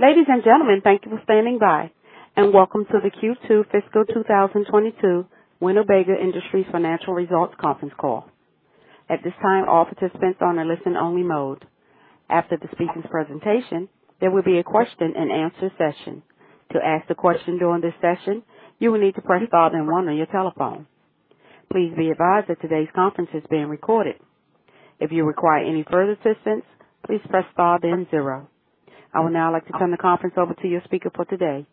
Ladies and gentlemen, thank you for standing by, and welcome to the Q2 fiscal 2022 Winnebago Industries Financial Results conference call. At this time, all participants are on a listen-only mode. After the speaker's presentation, there will be a question-and-answer session. To ask the question during this session, you will need to press star then one on your telephone. Please be advised that today's conference is being recorded. If you require any further assistance, please press star then zero. I would now like to turn the conference over to your speaker for today,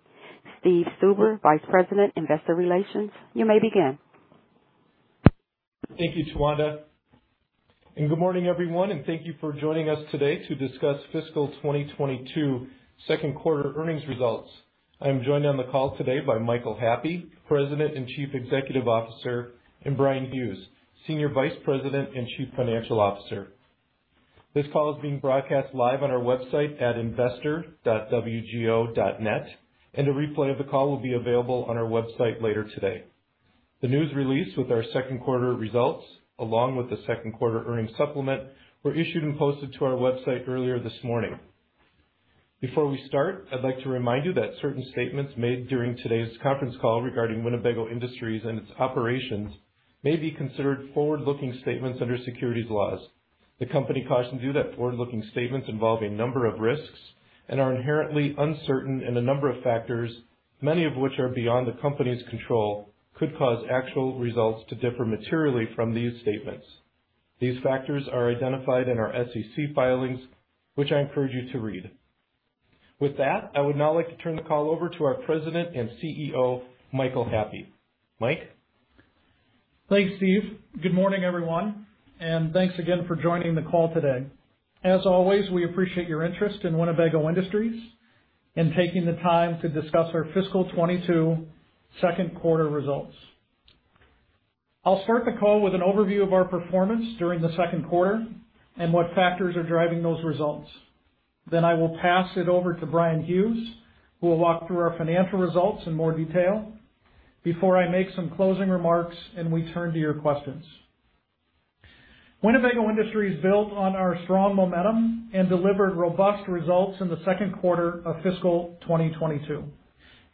Steve Stuber, Vice President, Investor Relations. You may begin. Thank you, Tawanda, and good morning, everyone, and thank you for joining us today to discuss fiscal 2022 second quarter earnings results. I am joined on the call today by Michael Happe, President and Chief Executive Officer, and Bryan Hughes, Senior Vice President and Chief Financial Officer. This call is being broadcast live on our website at investor.wgo.net, and a replay of the call will be available on our website later today. The news release with our second quarter results, along with the second quarter earnings supplement, were issued and posted to our website earlier this morning. Before we start, I'd like to remind you that certain statements made during today's conference call regarding Winnebago Industries and its operations may be considered forward-looking statements under securities laws. The company cautions you that forward-looking statements involve a number of risks and are inherently uncertain, and a number of factors, many of which are beyond the company's control, could cause actual results to differ materially from these statements. These factors are identified in our SEC filings, which I encourage you to read. With that, I would now like to turn the call over to our President and CEO, Michael Happe. Mike? Thanks, Steve. Good morning, everyone, and thanks again for joining the call today. As always, we appreciate your interest in Winnebago Industries and taking the time to discuss our fiscal 2022 second quarter results. I'll start the call with an overview of our performance during the second quarter and what factors are driving those results. I will pass it over to Bryan Hughes, who will walk through our financial results in more detail before I make some closing remarks and we turn to your questions. Winnebago Industries built on our strong momentum and delivered robust results in the second quarter of fiscal 2022,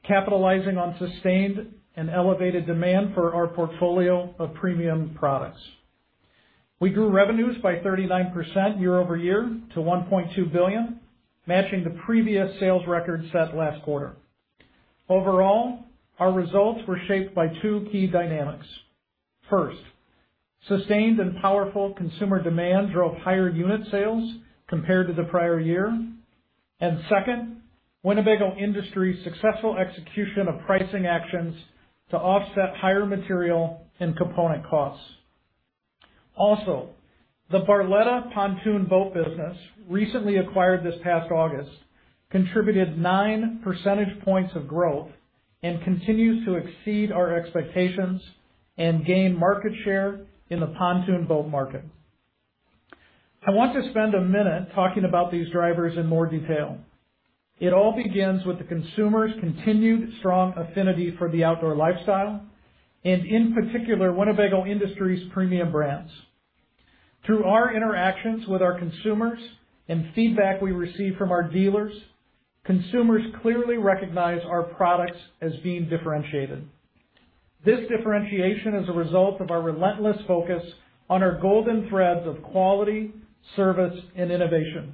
capitalizing on sustained and elevated demand for our portfolio of premium products. We grew revenues by 39% year-over-year to $1.2 billion, matching the previous sales record set last quarter. Overall, our results were shaped by two key dynamics. First, sustained and powerful consumer demand drove higher unit sales compared to the prior year. Second, Winnebago Industries' successful execution of pricing actions to offset higher material and component costs. Also, the Barletta pontoon boat business, recently acquired this past August, contributed 9 percentage points of growth and continues to exceed our expectations and gain market share in the pontoon boat market. I want to spend a minute talking about these drivers in more detail. It all begins with the consumer's continued strong affinity for the outdoor lifestyle and, in particular, Winnebago Industries' premium brands. Through our interactions with our consumers and feedback we receive from our dealers, consumers clearly recognize our products as being differentiated. This differentiation is a result of our relentless focus on our golden threads of quality, service, and innovation.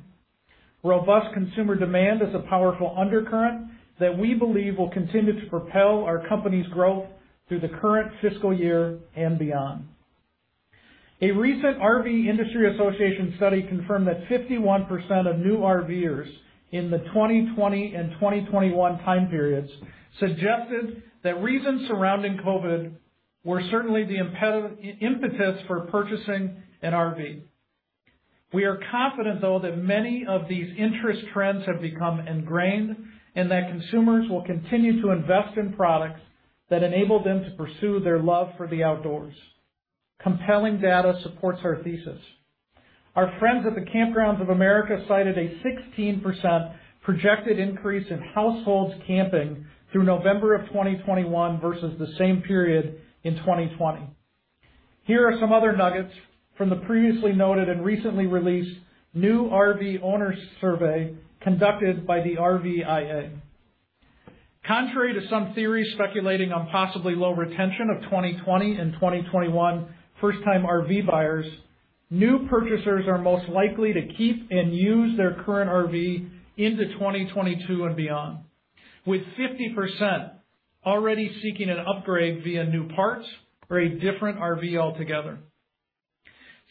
Robust consumer demand is a powerful undercurrent that we believe will continue to propel our company's growth through the current fiscal year and beyond. A recent RV Industry Association study confirmed that 51% of new RVers in the 2020 and 2021 time periods suggested that reasons surrounding COVID were certainly the impetus for purchasing an RV. We are confident, though, that many of these interest trends have become ingrained and that consumers will continue to invest in products that enable them to pursue their love for the outdoors. Compelling data supports our thesis. Our friends at the Kampgrounds of America cited a 16% projected increase in households camping through November of 2021 versus the same period in 2020. Here are some other nuggets from the previously noted and recently released new RV Owner Survey conducted by the RVIA. Contrary to some theories speculating on possibly low retention of 2020 and 2021 first-time RV buyers, new purchasers are most likely to keep and use their current RV into 2022 and beyond, with 50% already seeking an upgrade via new parts or a different RV altogether.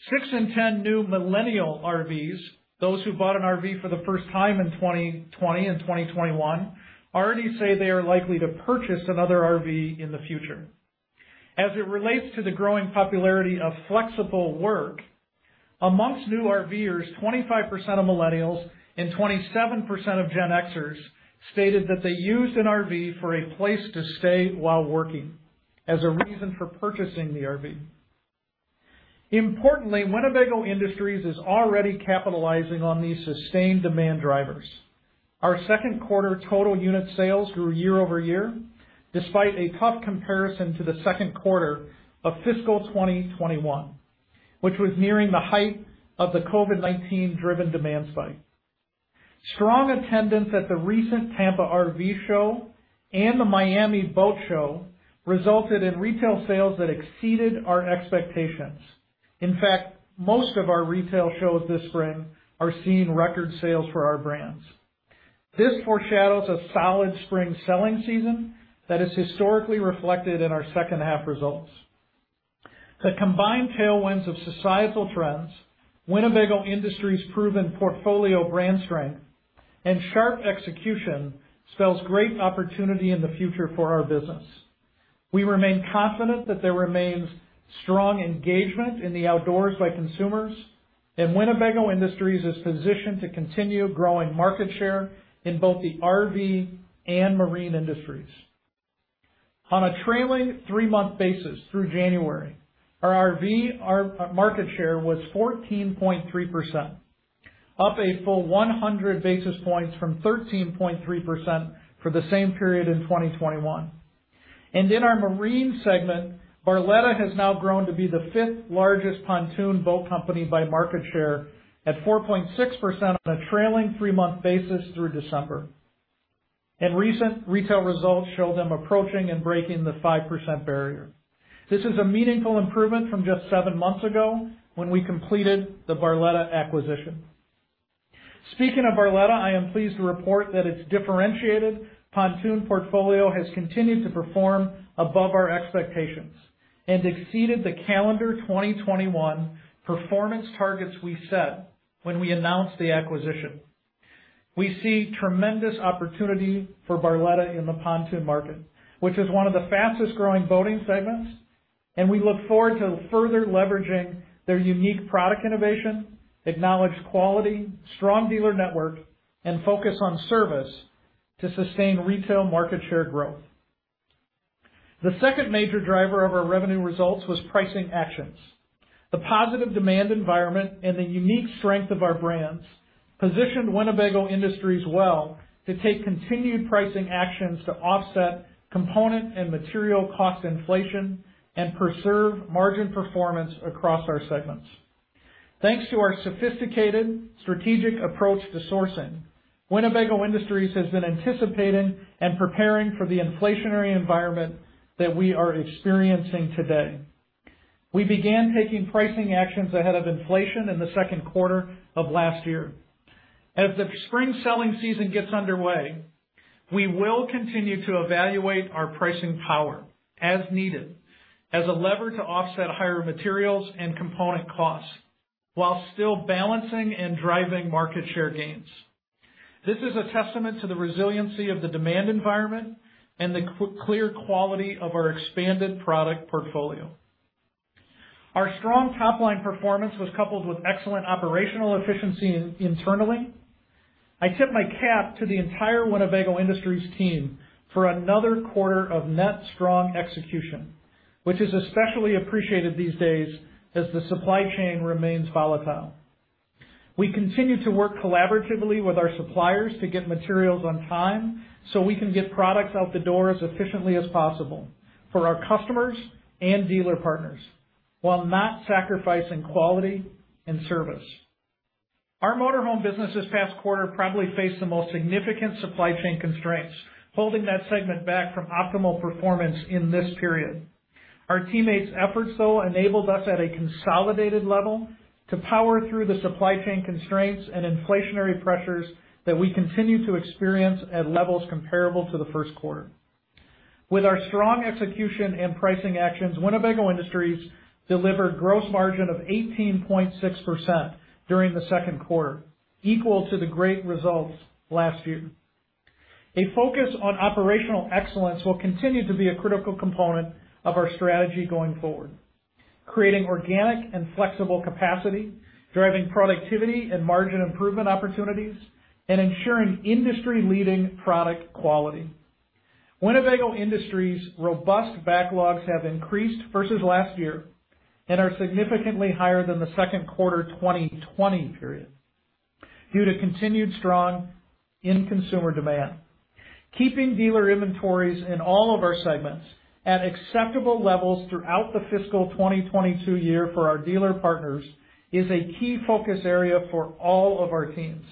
Six in 10 new millennial RVs, those who bought an RV for the first time in 2020 and 2021, already say they are likely to purchase another RV in the future. As it relates to the growing popularity of flexible work, amongst new RVers, 25% of millennials and 27% of Gen Xers stated that they used an RV for a place to stay while working as a reason for purchasing the RV. Importantly, Winnebago Industries is already capitalizing on these sustained demand drivers. Our second quarter total unit sales grew year-over-year, despite a tough comparison to the second quarter of fiscal 2021, which was nearing the height of the COVID-19 driven demand spike. Strong attendance at the recent Florida RV SuperShow and the Miami Boat Show resulted in retail sales that exceeded our expectations. In fact, most of our retail shows this spring are seeing record sales for our brands. This foreshadows a solid spring selling season that is historically reflected in our second half results. The combined tailwinds of societal trends, Winnebago Industries' proven portfolio brand strength, and sharp execution spells great opportunity in the future for our business. We remain confident that there remains strong engagement in the outdoors by consumers, and Winnebago Industries is positioned to continue growing market share in both the RV and marine industries. On a trailing three-month basis through January, our RV, our market share was 14.3%, up a full 100 basis points from 13.3% for the same period in 2021. In our marine segment, Barletta has now grown to be the fifth largest pontoon boat company by market share at 4.6% on a trailing three-month basis through December. Recent retail results show them approaching and breaking the 5% barrier. This is a meaningful improvement from just seven months ago when we completed the Barletta acquisition. Speaking of Barletta, I am pleased to report that its differentiated pontoon portfolio has continued to perform above our expectations and exceeded the calendar 2021 performance targets we set when we announced the acquisition. We see tremendous opportunity for Barletta in the pontoon market, which is one of the fastest-growing boating segments, and we look forward to further leveraging their unique product innovation, acknowledged quality, strong dealer network, and focus on service to sustain retail market share growth. The second major driver of our revenue results was pricing actions. The positive demand environment and the unique strength of our brands positioned Winnebago Industries well to take continued pricing actions to offset component and material cost inflation and preserve margin performance across our segments. Thanks to our sophisticated strategic approach to sourcing, Winnebago Industries has been anticipating and preparing for the inflationary environment that we are experiencing today. We began taking pricing actions ahead of inflation in the second quarter of last year. As the spring selling season gets underway, we will continue to evaluate our pricing power as needed as a lever to offset higher materials and component costs while still balancing and driving market share gains. This is a testament to the resiliency of the demand environment and the clear quality of our expanded product portfolio. Our strong top-line performance was coupled with excellent operational efficiency internally. I tip my cap to the entire Winnebago Industries team for another quarter of yet strong execution, which is especially appreciated these days as the supply chain remains volatile. We continue to work collaboratively with our suppliers to get materials on time, so we can get products out the door as efficiently as possible for our customers and dealer partners while not sacrificing quality and service. Our motorhome business this past quarter probably faced the most significant supply chain constraints, holding that segment back from optimal performance in this period. Our teammates' efforts, though, enabled us at a consolidated level to power through the supply chain constraints and inflationary pressures that we continue to experience at levels comparable to the first quarter. With our strong execution and pricing actions, Winnebago Industries delivered gross margin of 18.6% during the second quarter, equal to the great results last year. A focus on operational excellence will continue to be a critical component of our strategy going forward, creating organic and flexible capacity, driving productivity and margin improvement opportunities, and ensuring industry-leading product quality. Winnebago Industries' robust backlogs have increased versus last year and are significantly higher than the second quarter 2020 period due to continued strong end consumer demand. Keeping dealer inventories in all of our segments at acceptable levels throughout the fiscal 2022 year for our dealer partners is a key focus area for all of our teams.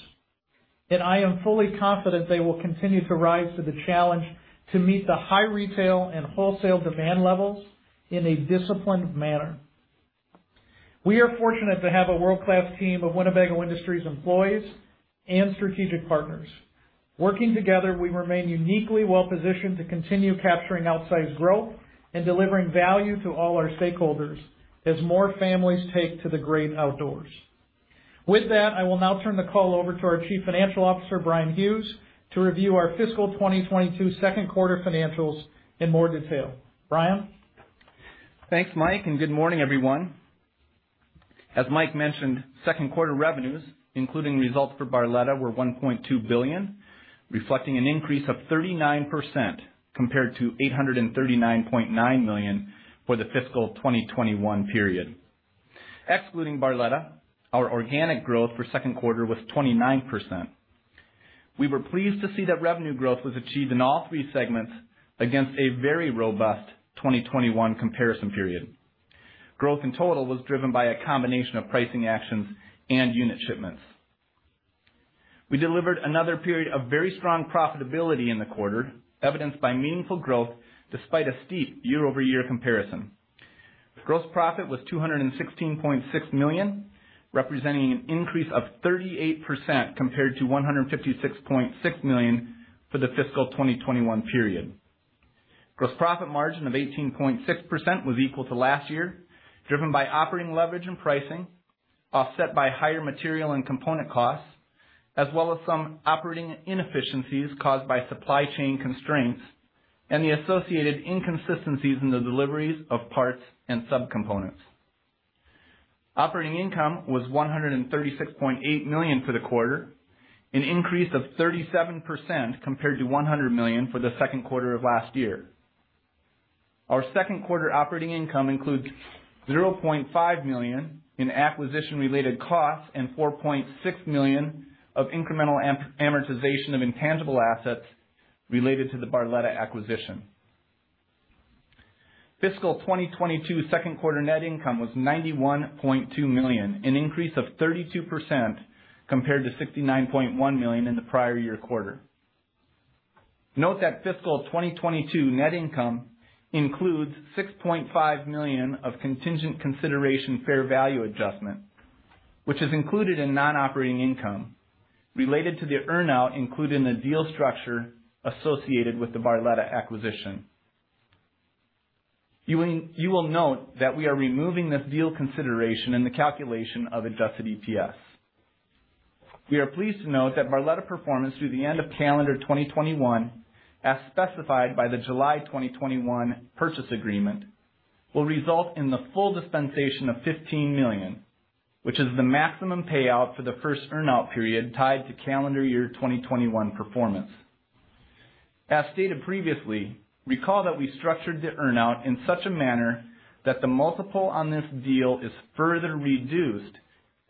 I am fully confident they will continue to rise to the challenge to meet the high retail and wholesale demand levels in a disciplined manner. We are fortunate to have a world-class team of Winnebago Industries employees and strategic partners. Working together, we remain uniquely well-positioned to continue capturing outsized growth and delivering value to all our stakeholders as more families take to the great outdoors. With that, I will now turn the call over to our Chief Financial Officer, Bryan Hughes, to review our fiscal 2022 second quarter financials in more detail. Bryan? Thanks, Mike, and good morning, everyone. As Mike mentioned, second quarter revenues, including results for Barletta, were $1.2 billion, reflecting an increase of 39% compared to $839.9 million for the fiscal 2021 period. Excluding Barletta, our organic growth for second quarter was 29%. We were pleased to see that revenue growth was achieved in all three segments against a very robust 2021 comparison period. Growth in total was driven by a combination of pricing actions and unit shipments. We delivered another period of very strong profitability in the quarter, evidenced by meaningful growth despite a steep year-over-year comparison. Gross profit was $216.6 million, representing an increase of 38% compared to $156.6 million for the fiscal 2021 period. Gross profit margin of 18.6% was equal to last year, driven by operating leverage and pricing, offset by higher material and component costs, as well as some operating inefficiencies caused by supply chain constraints and the associated inconsistencies in the deliveries of parts and subcomponents. Operating income was $136.8 million for the quarter, an increase of 37% compared to $100 million for the second quarter of last year. Our second quarter operating income includes $0.5 million in acquisition-related costs and $4.6 million of incremental amortization of intangible assets related to the Barletta acquisition. Fiscal 2022 second quarter net income was $91.2 million, an increase of 32% compared to $69.1 million in the prior year quarter. Note that fiscal 2022 net income includes $6.5 million of contingent consideration fair value adjustment, which is included in non-operating income related to the earnout included in the deal structure associated with the Barletta acquisition. You will note that we are removing this deal consideration in the calculation of adjusted EPS. We are pleased to note that Barletta performance through the end of calendar 2021, as specified by the July 2021 purchase agreement, will result in the full dispensation of $15 million, which is the maximum payout for the first earnout period tied to calendar year 2021 performance. As stated previously, recall that we structured the earnout in such a manner that the multiple on this deal is further reduced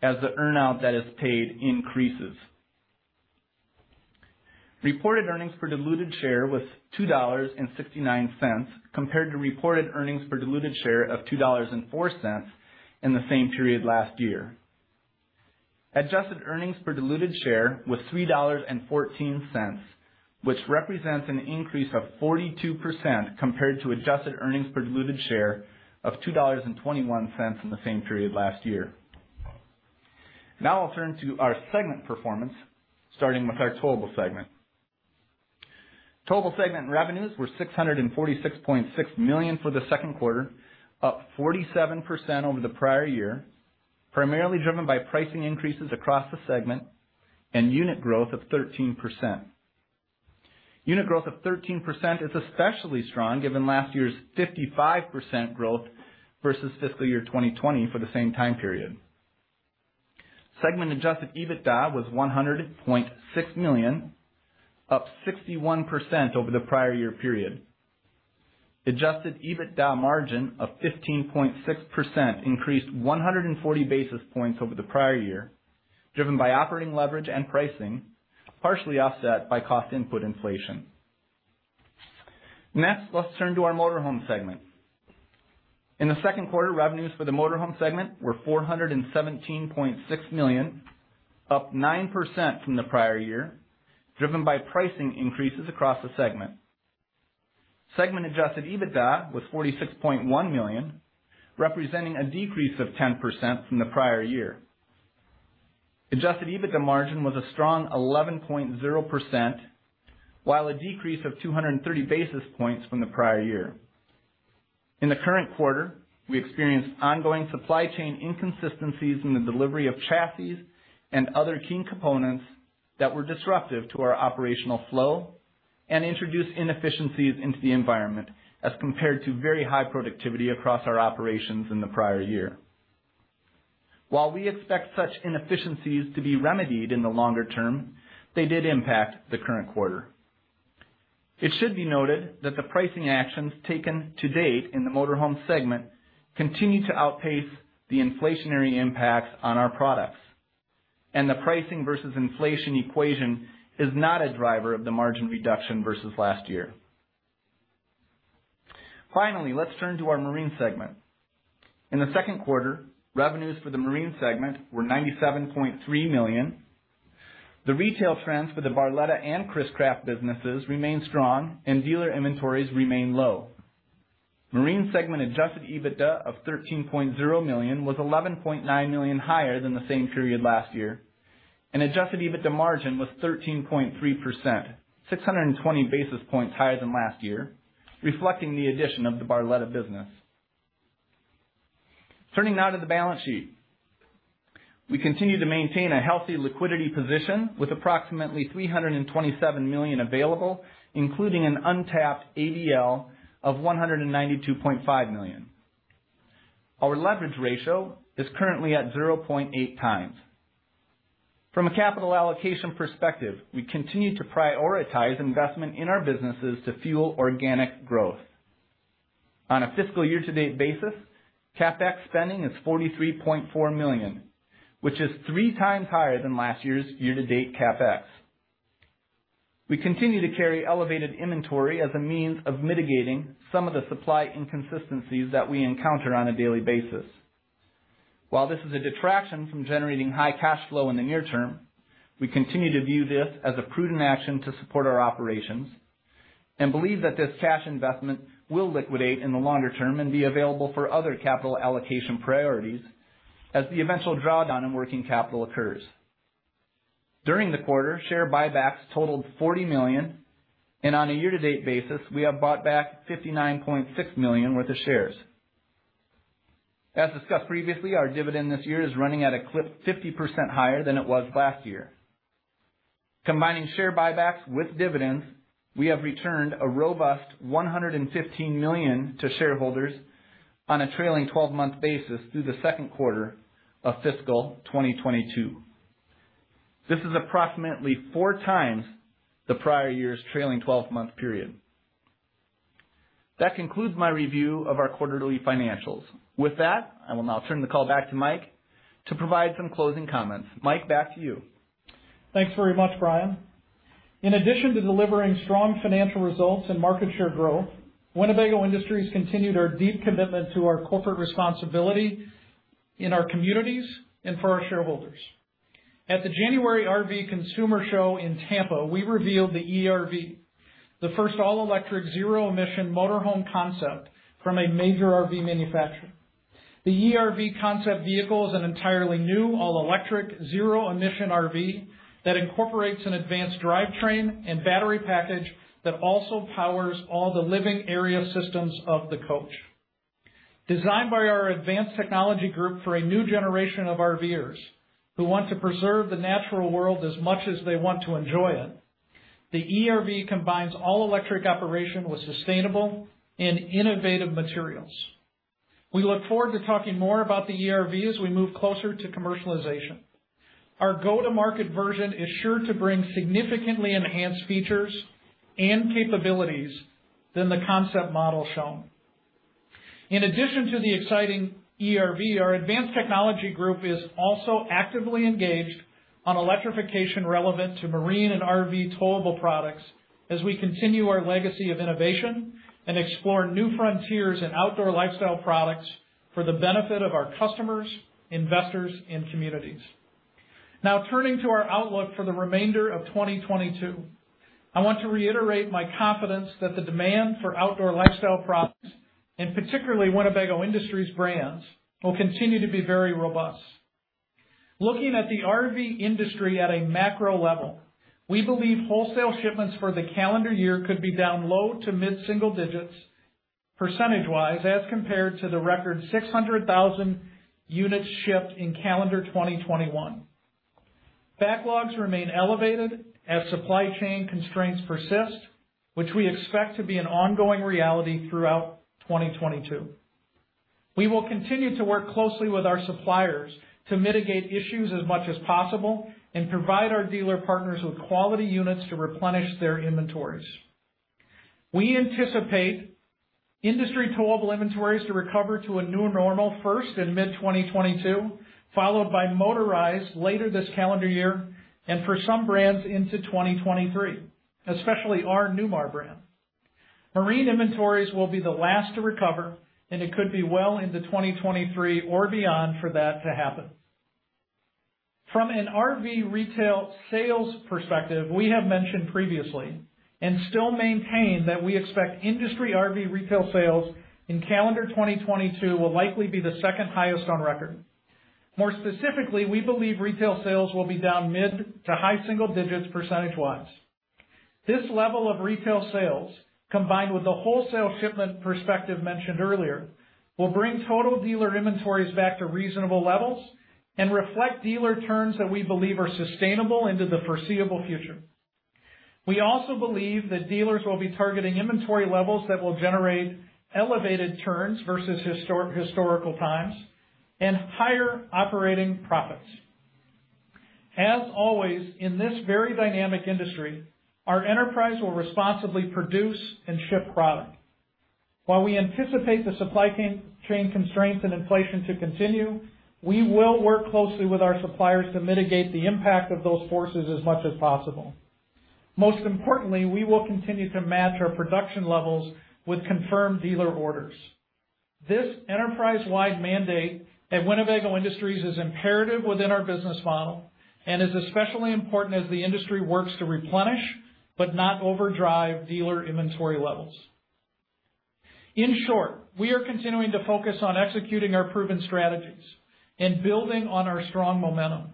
as the earnout that is paid increases. Reported earnings per diluted share was $2.69 compared to reported earnings per diluted share of $2.04 in the same period last year. Adjusted earnings per diluted share was $3.14, which represents an increase of 42% compared to adjusted earnings per diluted share of $2.21 in the same period last year. Now I'll turn to our segment performance, starting with our Towable segment. Towable segment revenues were $646.6 million for the second quarter, up 47% over the prior year, primarily driven by pricing increases across the segment and unit growth of 13%. Unit growth of 13% is especially strong given last year's 55% growth versus fiscal year 2020 for the same time period. Adjusted EBITDA was $100.6 million, up 61% over the prior year period. Adjusted EBITDA margin of 15.6% increased 140 basis points over the prior year, driven by operating leverage and pricing, partially offset by cost input inflation. Next, let's turn to our Motorhome segment. In the second quarter, revenues for the Motorhome segment were $417.6 million, up 9% from the prior year, driven by pricing increases across the segment. Adjusted EBITDA was $46.1 million, representing a decrease of 10% from the prior year. Adjusted EBITDA margin was a strong 11.0%, while a decrease of 230 basis points from the prior year. In the current quarter, we experienced ongoing supply chain inconsistencies in the delivery of chassis and other key components that were disruptive to our operational flow and introduced inefficiencies into the environment as compared to very high productivity across our operations in the prior year. While we expect such inefficiencies to be remedied in the longer term, they did impact the current quarter. It should be noted that the pricing actions taken to date in the Motorhome segment continue to outpace the inflationary impacts on our products, and the pricing versus inflation equation is not a driver of the margin reduction versus last year. Finally, let's turn to our Marine segment. In the second quarter, revenues for the Marine segment were $97.3 million. The retail trends for the Barletta and Chris-Craft businesses remain strong and dealer inventories remain low. Marine segment adjusted EBITDA of $13.0 million was $11.9 million higher than the same period last year, and adjusted EBITDA margin was 13.3%, 620 basis points higher than last year, reflecting the addition of the Barletta business. Turning now to the balance sheet. We continue to maintain a healthy liquidity position with approximately $327 million available, including an untapped ABL of $192.5 million. Our leverage ratio is currently at 0.8x. From a capital allocation perspective, we continue to prioritize investment in our businesses to fuel organic growth. On a fiscal year-to-date basis, CapEx spending is $43.4 million, which is 3x higher than last year's year-to-date CapEx. We continue to carry elevated inventory as a means of mitigating some of the supply inconsistencies that we encounter on a daily basis. While this is a detraction from generating high cash flow in the near term, we continue to view this as a prudent action to support our operations and believe that this cash investment will liquidate in the longer term and be available for other capital allocation priorities as the eventual drawdown in working capital occurs. During the quarter, share buybacks totaled $40 million, and on a year-to-date basis, we have bought back $59.6 million worth of shares. As discussed previously, our dividend this year is running at a clip 50% higher than it was last year. Combining share buybacks with dividends, we have returned a robust $115 million to shareholders on a trailing 12-month basis through the second quarter of fiscal 2022. This is approximately 4x the prior year's trailing 12-month period. That concludes my review of our quarterly financials. With that, I will now turn the call back to Mike to provide some closing comments. Mike, back to you. Thanks very much, Brian. In addition to delivering strong financial results and market share growth, Winnebago Industries continued our deep commitment to our corporate responsibility in our communities and for our shareholders. At the Florida RV SuperShow in Tampa, we revealed the e-RV, the first all-electric zero-emission motor home concept from a major RV manufacturer. The e-RV concept vehicle is an entirely new all-electric zero-emission RV that incorporates an advanced drivetrain and battery package that also powers all the living area systems of the coach. Designed by our advanced technology group for a new generation of RVers who want to preserve the natural world as much as they want to enjoy it, the e-RV combines all-electric operation with sustainable and innovative materials. We look forward to talking more about the e-RV as we move closer to commercialization. Our go-to-market version is sure to bring significantly enhanced features and capabilities than the concept model shown. In addition to the exciting e-RV, our advanced technology group is also actively engaged on electrification relevant to marine and RV towable products as we continue our legacy of innovation and explore new frontiers in outdoor lifestyle products for the benefit of our customers, investors, and communities. Now turning to our outlook for the remainder of 2022. I want to reiterate my confidence that the demand for outdoor lifestyle products, and particularly Winnebago Industries brands, will continue to be very robust. Looking at the RV industry at a macro level, we believe wholesale shipments for the calendar year could be down low- to mid-single-digit percentage as compared to the record 600,000 units shipped in calendar 2021. Backlogs remain elevated as supply chain constraints persist, which we expect to be an ongoing reality throughout 2022. We will continue to work closely with our suppliers to mitigate issues as much as possible and provide our dealer partners with quality units to replenish their inventories. We anticipate industry towable inventories to recover to a new normal first in mid-2022, followed by motorized later this calendar year and for some brands into 2023, especially our Newmar brand. Marine inventories will be the last to recover, and it could be well into 2023 or beyond for that to happen. From an RV retail sales perspective, we have mentioned previously and still maintain that we expect industry RV retail sales in calendar 2022 will likely be the second highest on record. More specifically, we believe retail sales will be down mid- to high single digits percentage. This level of retail sales, combined with the wholesale shipment perspective mentioned earlier, will bring total dealer inventories back to reasonable levels and reflect dealer turns that we believe are sustainable into the foreseeable future. We also believe that dealers will be targeting inventory levels that will generate elevated turns versus historical times and higher operating profits. As always, in this very dynamic industry, our enterprise will responsibly produce and ship product. While we anticipate the supply chain constraints and inflation to continue, we will work closely with our suppliers to mitigate the impact of those forces as much as possible. Most importantly, we will continue to match our production levels with confirmed dealer orders. This enterprise-wide mandate at Winnebago Industries is imperative within our business model and is especially important as the industry works to replenish but not overdrive dealer inventory levels. In short, we are continuing to focus on executing our proven strategies and building on our strong momentum.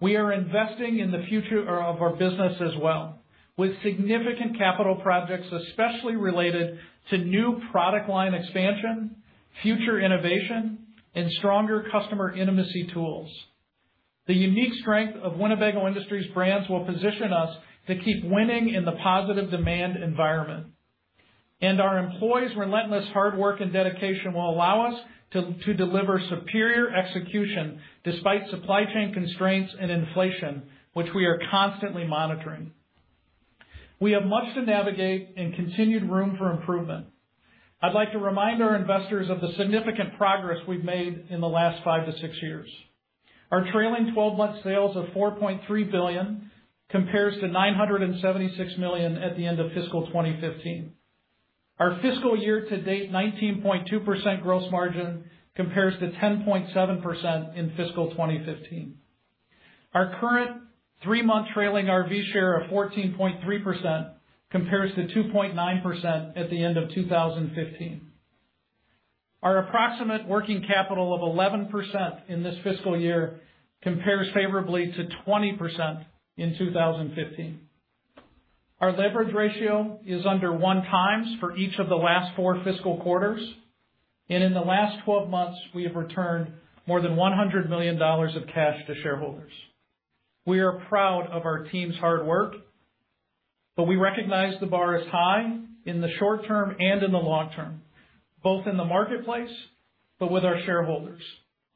We are investing in the future of our business as well, with significant capital projects, especially related to new product line expansion, future innovation, and stronger customer intimacy tools. The unique strength of Winnebago Industries brands will position us to keep winning in the positive demand environment, and our employees' relentless hard work and dedication will allow us to deliver superior execution despite supply chain constraints and inflation, which we are constantly monitoring. We have much to navigate and continued room for improvement. I'd like to remind our investors of the significant progress we've made in the last five to six years. Our trailing 12-month sales of $4.3 billion compares to $976 million at the end of fiscal 2015. Our fiscal year to date 19.2% gross margin compares to 10.7% in fiscal 2015. Our current three-month trailing RV share of 14.3% compares to 2.9% at the end of 2015. Our approximate working capital of 11% in this fiscal year compares favorably to 20% in 2015. Our leverage ratio is under 1x for each of the last four fiscal quarters. In the last 12 months, we have returned more than $100 million of cash to shareholders. We are proud of our team's hard work, but we recognize the bar is high in the short term and in the long term, both in the marketplace, but with our shareholders.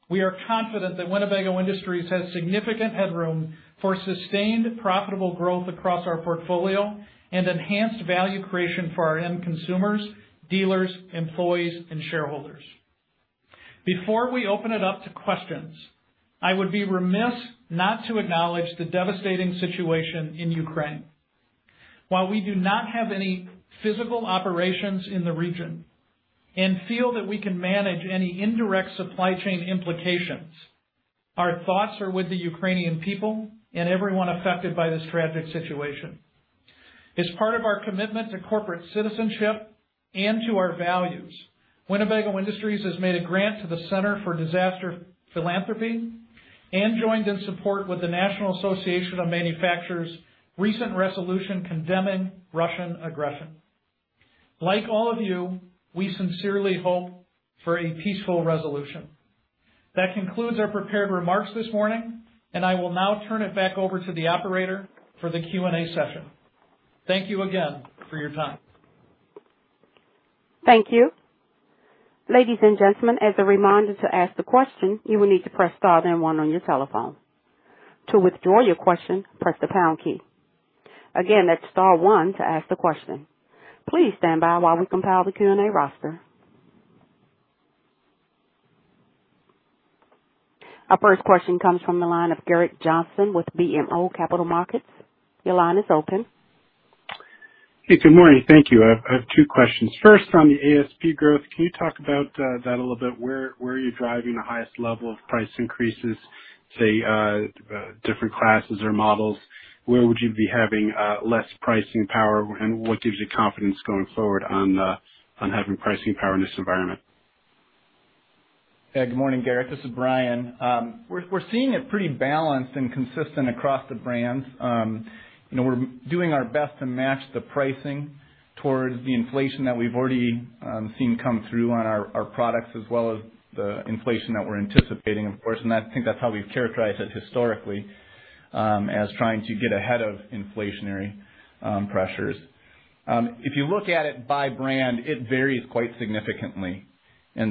We are confident that Winnebago Industries has significant headroom for sustained profitable growth across our portfolio and enhanced value creation for our end consumers, dealers, employees, and shareholders. Before we open it up to questions, I would be remiss not to acknowledge the devastating situation in Ukraine. While we do not have any physical operations in the region and feel that we can manage any indirect supply chain implications, our thoughts are with the Ukrainian people and everyone affected by this tragic situation. As part of our commitment to corporate citizenship and to our values, Winnebago Industries has made a grant to the Center for Disaster Philanthropy and joined in support with the National Association of Manufacturers' recent resolution condemning Russian aggression. Like all of you, we sincerely hope for a peaceful resolution. That concludes our prepared remarks this morning, and I will now turn it back over to the operator for the Q&A session. Thank you again for your time. Thank you. Ladies and gentlemen, as a reminder to ask the question, you will need to press star then one on your telephone. To withdraw your question, press the pound key. Again, that's star one to ask the question. Please stand by while we compile the Q&A roster. Our first question comes from the line of Gerrick Johnson with BMO Capital Markets. Your line is open. Hey, good morning. Thank you. I have two questions. First, on the ASP growth, can you talk about that a little bit? Where are you driving the highest level of price increases, say different classes or models? Where would you be having less pricing power? What gives you confidence going forward on having pricing power in this environment? Yeah. Good morning, Gerrick. This is Bryan. We're seeing it pretty balanced and consistent across the brands. You know, we're doing our best to match the pricing towards the inflation that we've already seen come through on our products as well as the inflation that we're anticipating, of course. I think that's how we've characterized it historically as trying to get ahead of inflationary pressures. If you look at it by brand, it varies quite significantly. You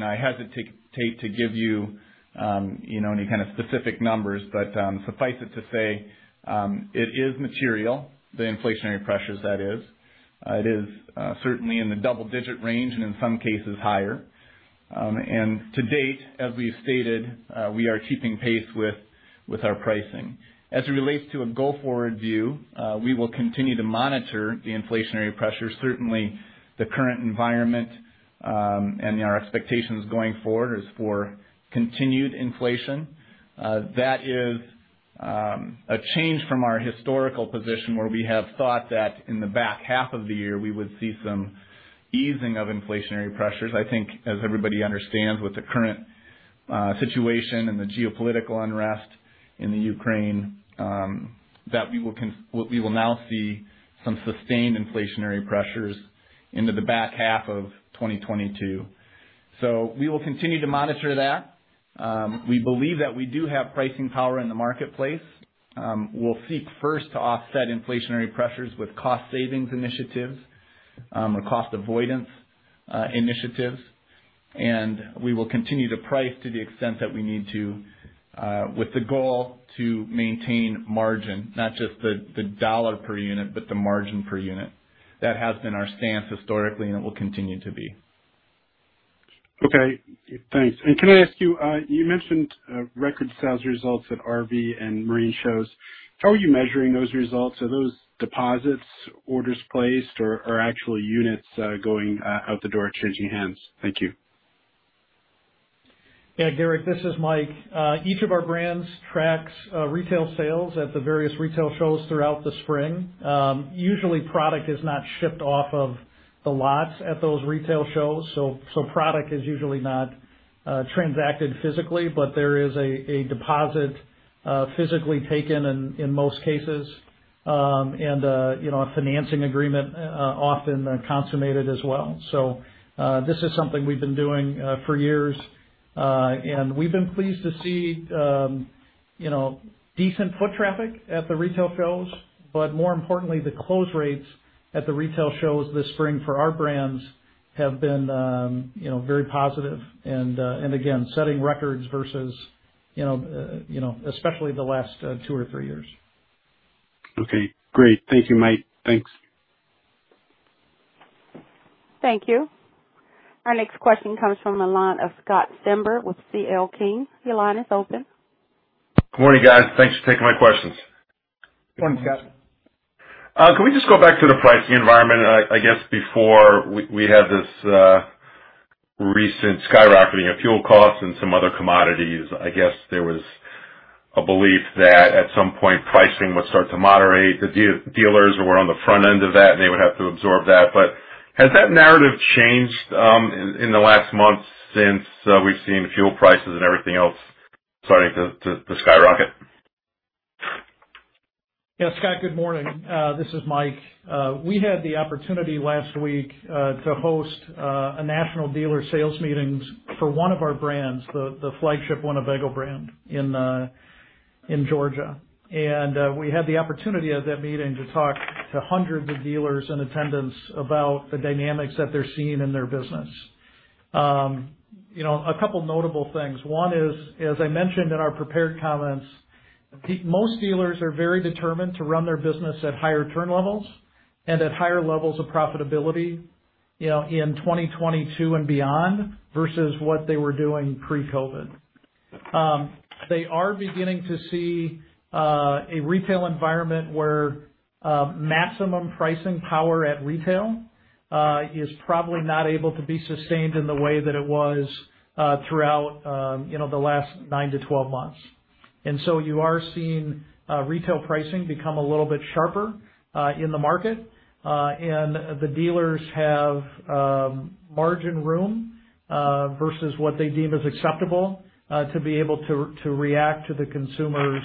know, I hesitate to give you any kind of specific numbers, but suffice it to say it is material, the inflationary pressures that is. It is certainly in the double digit range and in some cases higher. To date, as we've stated, we are keeping pace with our pricing. As it relates to a go-forward view, we will continue to monitor the inflationary pressures. Certainly the current environment, and our expectations going forward is for continued inflation. That is a change from our historical position where we have thought that in the back half of the year, we would see some easing of inflationary pressures. I think as everybody understands with the current situation and the geopolitical unrest in Ukraine, that we will now see some sustained inflationary pressures into the back half of 2022. We will continue to monitor that. We believe that we do have pricing power in the marketplace. We'll seek first to offset inflationary pressures with cost savings initiatives, or cost avoidance initiatives. We will continue to price to the extent that we need to, with the goal to maintain margin, not just the dollar per unit, but the margin per unit. That has been our stance historically, and it will continue to be. Okay, thanks. Can I ask you mentioned record sales results at RV and marine shows. How are you measuring those results? Are those deposits, orders placed or actual units going out the door, changing hands? Thank you. Yeah. Garrett, this is Mike. Each of our brands tracks retail sales at the various retail shows throughout the spring. Usually product is not shipped off of the lots at those retail shows, so product is usually not transacted physically, but there is a deposit physically taken in most cases. You know, a financing agreement often consummated as well. This is something we've been doing for years. We've been pleased to see you know, decent foot traffic at the retail shows. More importantly, the close rates at the retail shows this spring for our brands have been you know, very positive and again, setting records versus you know, especially the last two or three years. Okay, great. Thank you, Mike. Thanks. Thank you. Our next question comes from the line of Scott Stember with C.L. King. Your line is open. Good morning, guys. Thanks for taking my questions. Good morning, Scott. Can we just go back to the pricing environment? I guess before we had this recent skyrocketing of fuel costs and some other commodities, I guess there was a belief that at some point, pricing would start to moderate. The dealers were on the front end of that, and they would have to absorb that. Has that narrative changed in the last month since we've seen fuel prices and everything else starting to skyrocket? Yeah, Scott, good morning. This is Mike. We had the opportunity last week to host a national dealer sales meeting for one of our brands, the flagship Winnebago brand in Georgia. We had the opportunity at that meeting to talk to 100s of dealers in attendance about the dynamics that they're seeing in their business. You know, a couple notable things. One is, as I mentioned in our prepared comments, most dealers are very determined to run their business at higher turn levels and at higher levels of profitability, you know, in 2022 and beyond versus what they were doing pre-COVID. They are beginning to see a retail environment where maximum pricing power at retail is probably not able to be sustained in the way that it was throughout you know the last nine to 12 months. You are seeing retail pricing become a little bit sharper in the market. The dealers have margin room versus what they deem is acceptable to be able to react to the consumer's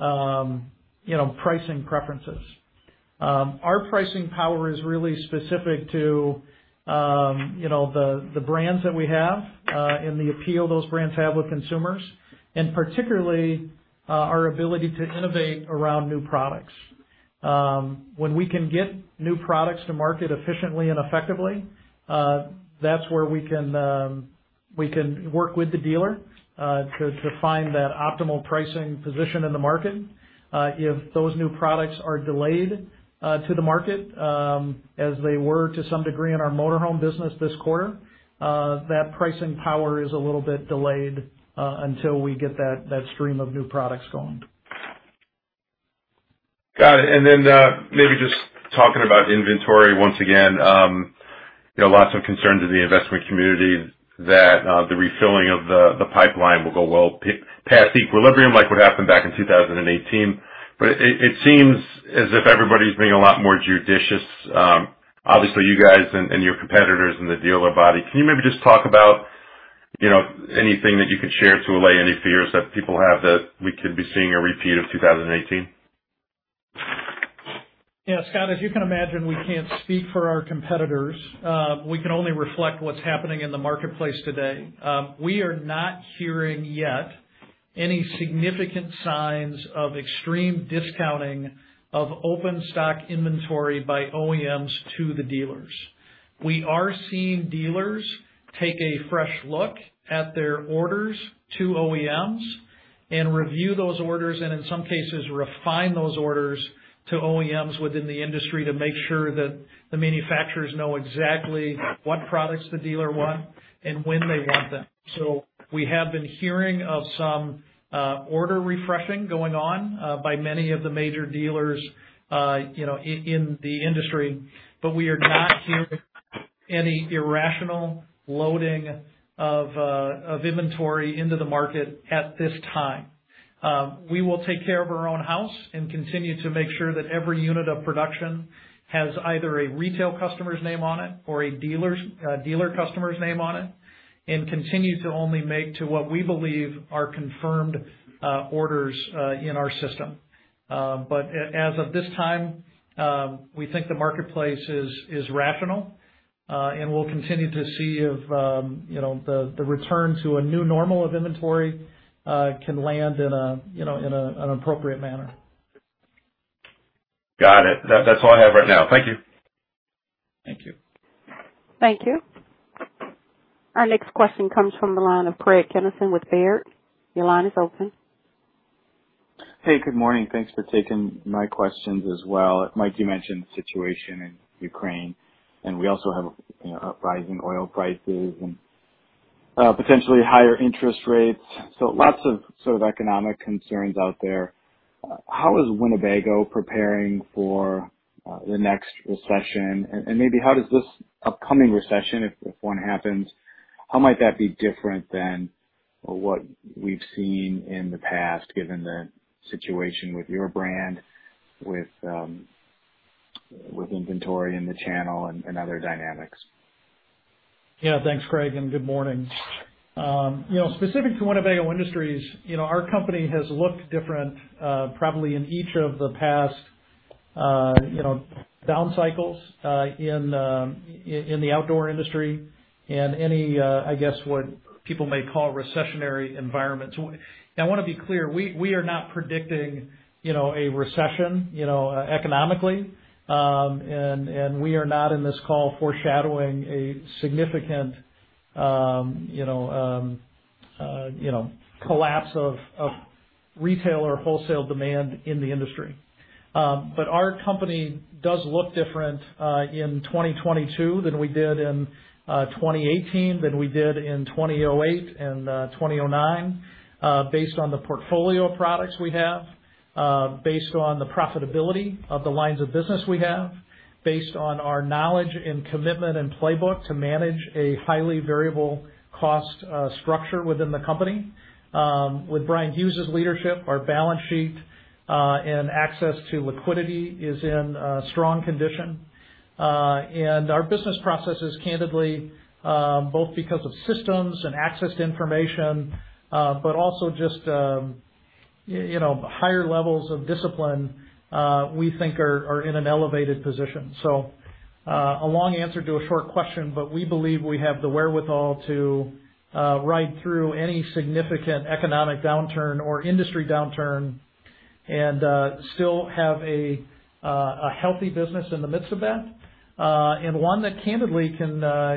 you know pricing preferences. Our pricing power is really specific to you know the brands that we have and the appeal those brands have with consumers, and particularly our ability to innovate around new products. When we can get new products to market efficiently and effectively, that's where we can work with the dealer to find that optimal pricing position in the market. If those new products are delayed to the market, as they were to some degree in our motor home business this quarter, that pricing power is a little bit delayed until we get that stream of new products going. Got it. Maybe just talking about inventory once again. You know, lots of concerns in the investment community that the refilling of the pipeline will go well past equilibrium, like what happened back in 2018. It seems as if everybody's being a lot more judicious. Obviously, you guys and your competitors and the dealer body. Can you maybe just talk about, you know, anything that you can share to allay any fears that people have that we could be seeing a repeat of 2018? Yeah, Scott, as you can imagine, we can't speak for our competitors. We can only reflect what's happening in the marketplace today. We are not hearing yet any significant signs of extreme discounting of open stock inventory by OEMs to the dealers. We are seeing dealers take a fresh look at their orders to OEMs and review those orders, and in some cases refine those orders to OEMs within the industry to make sure that the manufacturers know exactly what products the dealer want and when they want them. We have been hearing of some order refreshing going on by many of the major dealers, you know, in the industry. We are not hearing any irrational loading of inventory into the market at this time. We will take care of our own house and continue to make sure that every unit of production has either a retail customer's name on it or a dealer's customer's name on it and continue to only make what we believe are confirmed orders in our system. As of this time, we think the marketplace is rational, and we'll continue to see if, you know, the return to a new normal of inventory can land in a, you know, an appropriate manner. Got it. That's all I have right now. Thank you. Thank you. Thank you. Our next question comes from the line of Craig Kennison with Baird. Your line is open. Hey, good morning. Thanks for taking my questions as well. Mike, you mentioned the situation in Ukraine, and we also have, you know, rising oil prices and potentially higher interest rates. Lots of sort of economic concerns out there. How is Winnebago preparing for the next recession? Maybe how does this upcoming recession, if one happens, how might that be different than what we've seen in the past, given the situation with your brand, with inventory in the channel and other dynamics? Yeah. Thanks, Craig, and good morning. You know, specific to Winnebago Industries, you know, our company has looked different, probably in each of the past, you know, down cycles, in the outdoor industry and any, I guess what people may call recessionary environments. I wanna be clear, we are not predicting, you know, a recession, you know, economically. We are not in this call foreshadowing a significant, you know, collapse of retail or wholesale demand in the industry. Our company does look different in 2022 than we did in 2018, than we did in 2008 and 2009, based on the portfolio of products we have, based on the profitability of the lines of business we have, based on our knowledge and commitment and playbook to manage a highly variable cost structure within the company. With Bryan Hughes' leadership, our balance sheet and access to liquidity is in strong condition. Our business processes candidly, both because of systems and access to information, but also just you know, higher levels of discipline, we think are in an elevated position. A long answer to a short question, but we believe we have the wherewithal to ride through any significant economic downturn or industry downturn and still have a healthy business in the midst of that. One that candidly can,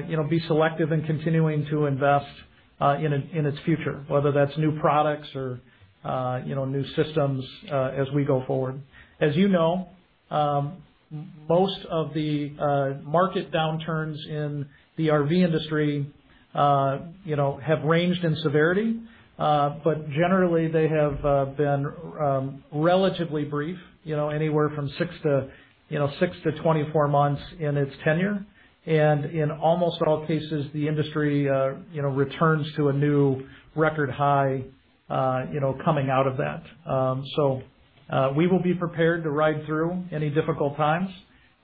you know, be selective in continuing to invest in its future, whether that's new products or, you know, new systems as we go forward. As you know, most of the market downturns in the RV industry, you know, have ranged in severity, but generally, they have been relatively brief, you know, anywhere from six to 24 months in its tenure. In almost all cases, the industry, you know, returns to a new record high, you know, coming out of that. We will be prepared to ride through any difficult times.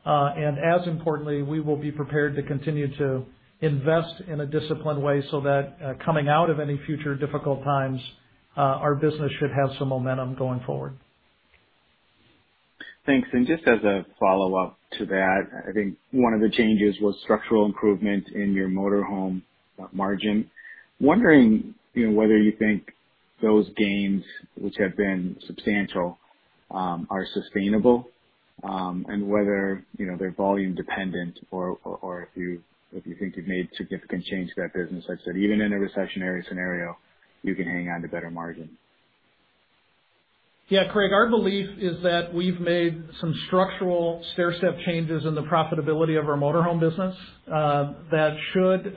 As importantly, we will be prepared to continue to invest in a disciplined way so that coming out of any future difficult times, our business should have some momentum going forward. Thanks. Just as a follow-up to that, I think one of the changes was structural improvement in your motorhome margin. Wondering, you know, whether you think those gains, which have been substantial, are sustainable, and whether, you know, they're volume dependent or if you think you've made significant change to that business that said, even in a recessionary scenario, you can hang on to better margin. Yeah, Craig, our belief is that we've made some structural stairstep changes in the profitability of our motorhome business that should,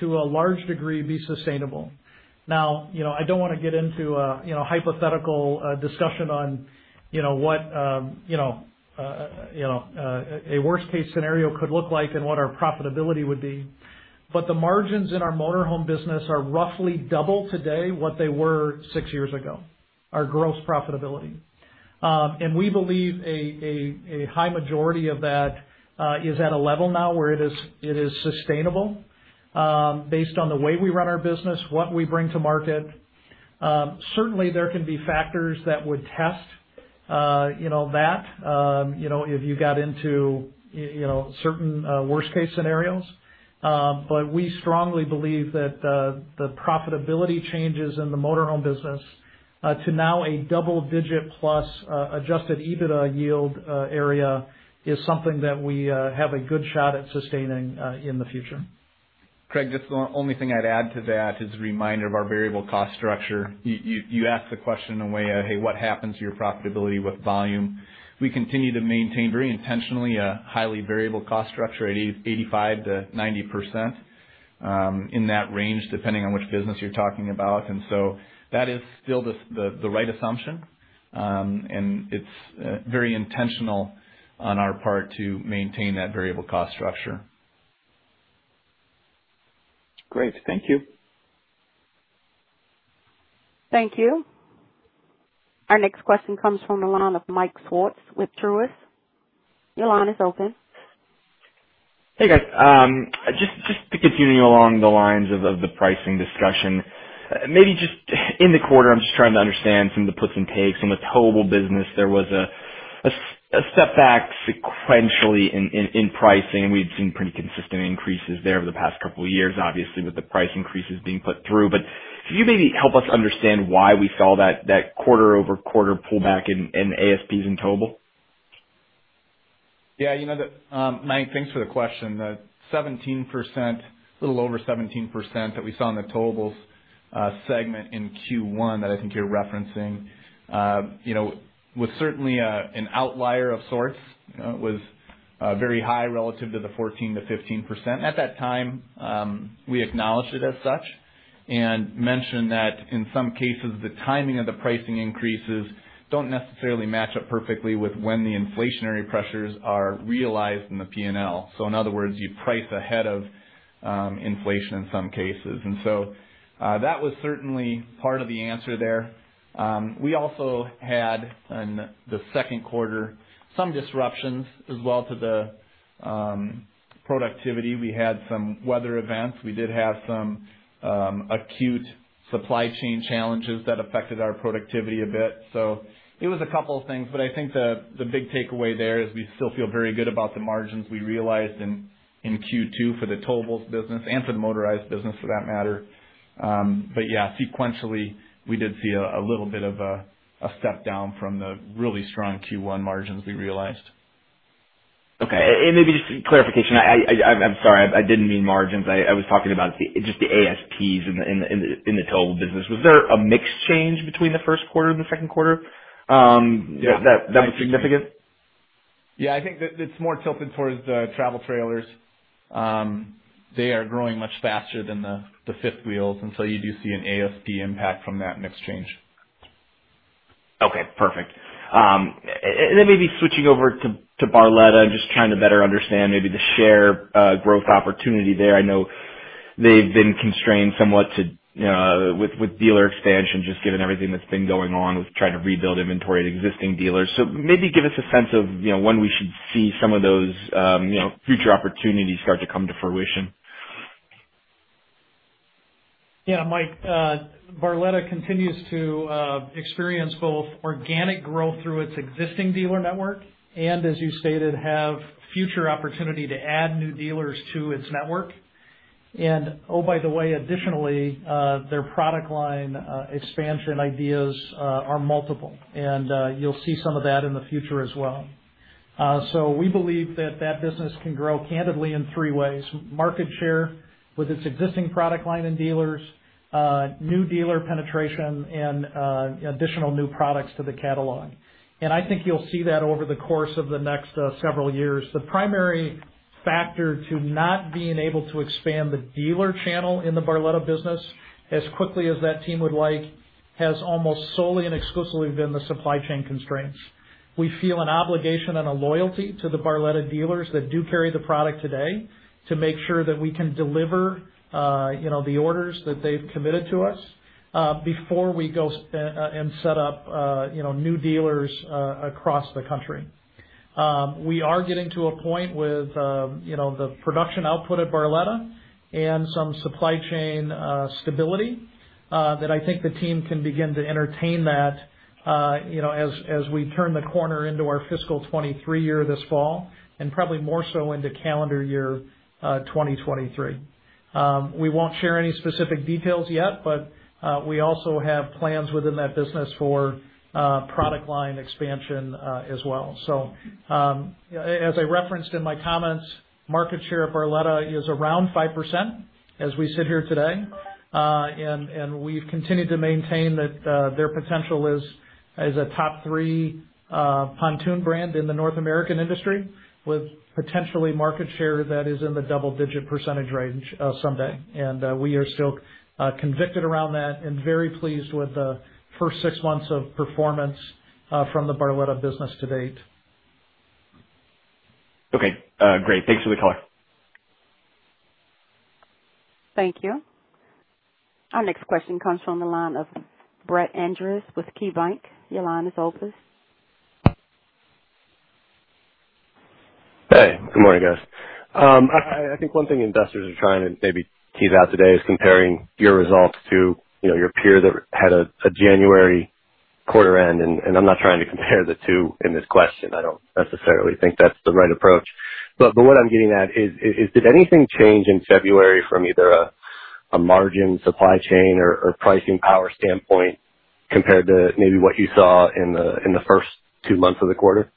to a large degree, be sustainable. Now, you know, I don't wanna get into a you know, hypothetical discussion on, you know, what, you know, a worst-case scenario could look like and what our profitability would be. The margins in our motorhome business are roughly double today what they were six years ago, our gross profitability. We believe a high majority of that is at a level now where it is sustainable based on the way we run our business, what we bring to market. Certainly, there can be factors that would test, you know, that you know if you got into you know certain worst case scenarios. We strongly believe that the profitability changes in the motor home business to now a double-digit plus adjusted EBITDA yield area is something that we have a good shot at sustaining in the future. Craig, just the only thing I'd add to that is a reminder of our variable cost structure. You asked the question in a way of, hey, what happens to your profitability with volume? We continue to maintain very intentionally a highly variable cost structure at 85%-90%, in that range, depending on which business you're talking about. That is still the right assumption. It's very intentional on our part to maintain that variable cost structure. Great. Thank you. Thank you. Our next question comes from the line of Michael Swartz with Truist. Your line is open. Hey, guys. Just to continue along the lines of the pricing discussion, maybe just in the quarter, I'm just trying to understand some of the puts and takes. In the towable business, there was a step back sequentially in pricing. We've seen pretty consistent increases there over the past couple of years, obviously, with the price increases being put through. Can you maybe help us understand why we saw that quarter-over-quarter pullback in ASPs and towable? Yeah. You know, Mike, thanks for the question. The 17%, a little over 17% that we saw in the towables segment in Q1 that I think you're referencing, you know, was certainly an outlier of sorts. It was very high relative to the 14%-15%. At that time, we acknowledged it as such and mentioned that in some cases, the timing of the pricing increases don't necessarily match up perfectly with when the inflationary pressures are realized in the P&L. In other words, you price ahead of inflation in some cases. That was certainly part of the answer there. We also had in the second quarter some disruptions as well to the productivity. We had some weather events. We did have some acute supply chain challenges that affected our productivity a bit. It was a couple of things, but I think the big takeaway there is we still feel very good about the margins we realized in Q2 for the towables business and for the motorized business for that matter. Yeah, sequentially, we did see a little bit of a step down from the really strong Q1 margins we realized. Okay. Maybe just some clarification. I'm sorry, I didn't mean margins. I was talking about just the ASPs in the total business. Was there a mix change between the first quarter and the second quarter that was significant? Yeah, I think that it's more tilted towards the travel trailers. They are growing much faster than the fifth wheels, and so you do see an ASP impact from that mix change. Okay. Perfect. Maybe switching over to Barletta. I'm just trying to better understand maybe the share growth opportunity there. I know they've been constrained somewhat with dealer expansion, just given everything that's been going on with trying to rebuild inventory at existing dealers. Maybe give us a sense of, you know, when we should see some of those, you know, future opportunities start to come to fruition. Yeah. Mike, Barletta continues to experience both organic growth through its existing dealer network and, as you stated, have future opportunity to add new dealers to its network. Oh, by the way, additionally, their product line expansion ideas are multiple, and you'll see some of that in the future as well. We believe that business can grow candidly in three ways, market share with its existing product line and dealers, new dealer penetration and additional new products to the catalog. I think you'll see that over the course of the next several years. The primary factor to not being able to expand the dealer channel in the Barletta business as quickly as that team would like has almost solely and exclusively been the supply chain constraints. We feel an obligation and a loyalty to the Barletta dealers that do carry the product today to make sure that we can deliver, you know, the orders that they've committed to us, before we go, and set up, you know, new dealers across the country. We are getting to a point with, you know, the production output at Barletta and some supply chain, stability, that I think the team can begin to entertain that, you know, as we turn the corner into our fiscal 2023 year this fall and probably more so into calendar year 2023. We won't share any specific details yet, but we also have plans within that business for product line expansion, as well. I referenced in my comments, market share of Barletta is around 5% as we sit here today. We've continued to maintain that their potential is as a top three pontoon brand in the North American industry, with potentially market share that is in the double-digit percentage range someday. We are still convicted around that and very pleased with the first six months of performance from the Barletta business to date. Okay. Great. Thanks for the color. Thank you. Our next question comes from the line of Brett Andress with KeyBanc. Your line is open. Hey, good morning, guys. I think one thing investors are trying to maybe tease out today is comparing your results to, you know, your peer that had a January quarter end. I'm not trying to compare the two in this question. I don't necessarily think that's the right approach. What I'm getting at is, did anything change in February from either a margin supply chain or pricing power standpoint compared to maybe what you saw in the first two months of the quarter?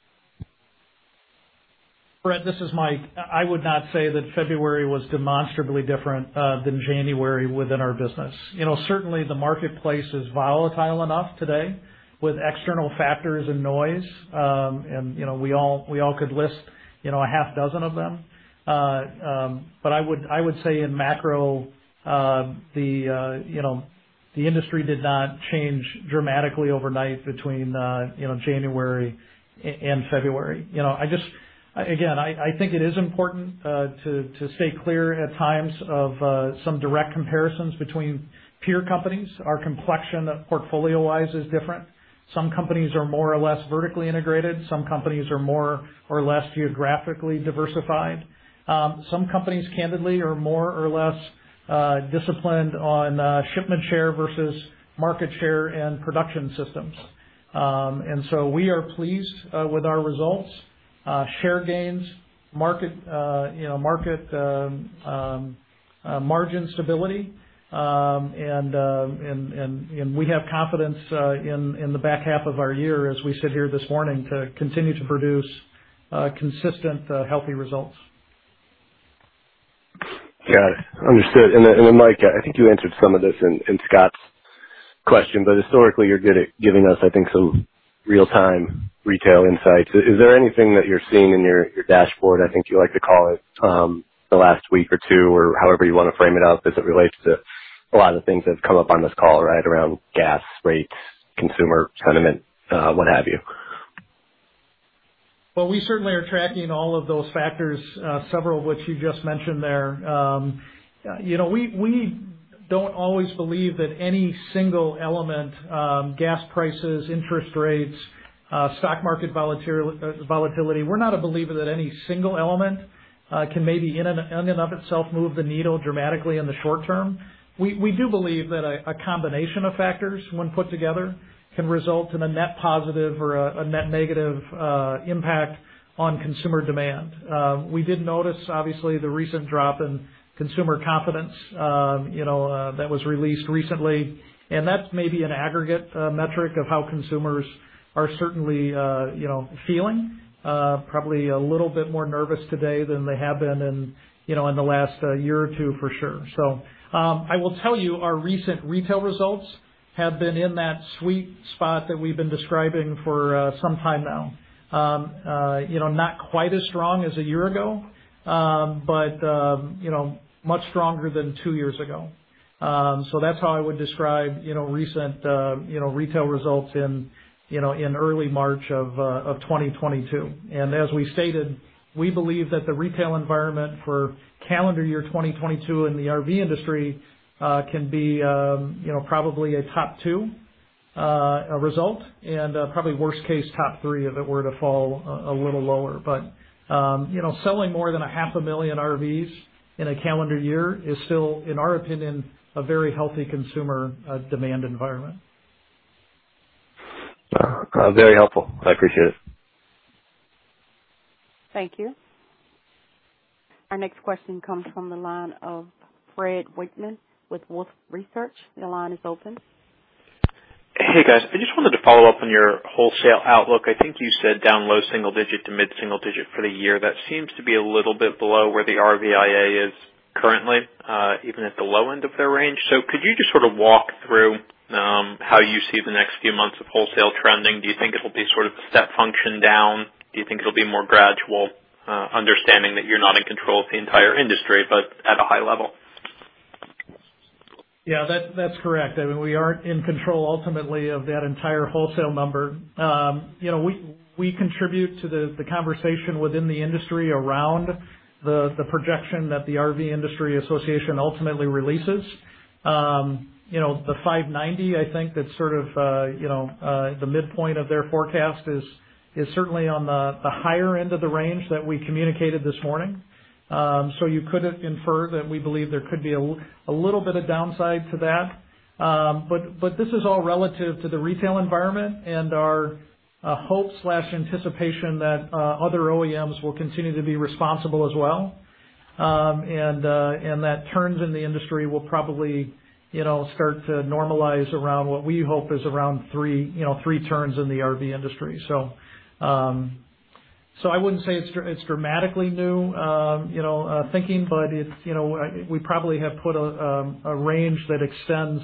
Brett, this is Mike. I would not say that February was demonstrably different than January within our business. You know, certainly the marketplace is volatile enough today with external factors and noise. You know, we all could list a half dozen of them. I would say in macro, the industry did not change dramatically overnight between January and February. You know, again, I think it is important to stay clear at times of some direct comparisons between peer companies. Our complexion portfolio-wise is different. Some companies are more or less vertically integrated. Some companies are more or less geographically diversified. Some companies, candidly, are more or less disciplined on shipment share versus market share and production systems. We are pleased with our results, share gains, market, you know, margin stability. We have confidence in the back half of our year as we sit here this morning to continue to produce consistent, healthy results. Got it. Understood. Mike, I think you answered some of this in Scott's question, but historically you're good at giving us, I think, some real time retail insights. Is there anything that you're seeing in your dashboard, I think you like to call it, the last week or two, or however you wanna frame it up, as it relates to a lot of the things that have come up on this call, right around gas, rates, consumer sentiment, what have you? Well, we certainly are tracking all of those factors, several of which you just mentioned there. You know, we don't always believe that any single element, gas prices, interest rates, stock market volatility, can in and of itself move the needle dramatically in the short term. We do believe that a combination of factors, when put together, can result in a net positive or a net negative impact on consumer demand. We did notice, obviously, the recent drop in consumer confidence, you know, that was released recently, and that's maybe an aggregate metric of how consumers are certainly feeling, you know, probably a little bit more nervous today than they have been in, you know, in the last year or two for sure. I will tell you our recent retail results have been in that sweet spot that we've been describing for some time now. You know, not quite as strong as a year ago, but you know, much stronger than two years ago. That's how I would describe you know, recent you know, retail results in you know, in early March of 2022. As we stated, we believe that the retail environment for calendar year 2022 in the RV industry can be you know, probably a top two result and probably worst case top three if it were to fall a little lower. You know, selling more than 500,000 RVs in a calendar year is still, in our opinion, a very healthy consumer demand environment. Very helpful. I appreciate it. Thank you. Our next question comes from the line of Fred Wightman with Wolfe Research. Your line is open. Hey, guys. I just wanted to follow up on your wholesale outlook. I think you said down low-single digit to mid-single digit for the year. That seems to be a little bit below where the RVIA is currently even at the low end of their range. Could you just sort of walk through how you see the next few months of wholesale trending? Do you think it'll be sort of step function down? Do you think it'll be more gradual, understanding that you're not in control of the entire industry, but at a high level? Yeah, that's correct. I mean, we aren't in control ultimately of that entire wholesale number. We contribute to the conversation within the industry around the projection that the RV Industry Association ultimately releases. The 5.9%, I think that's sort of the midpoint of their forecast is certainly on the higher end of the range that we communicated this morning. So you could infer that we believe there could be a little bit of downside to that. But this is all relative to the retail environment and our hope or anticipation that other OEMs will continue to be responsible as well. That turns in the industry will probably, you know, start to normalize around what we hope is around three, you know, three turns in the RV industry. I wouldn't say it's dramatically new, you know, thinking, but it's, you know, we probably have put a range that extends,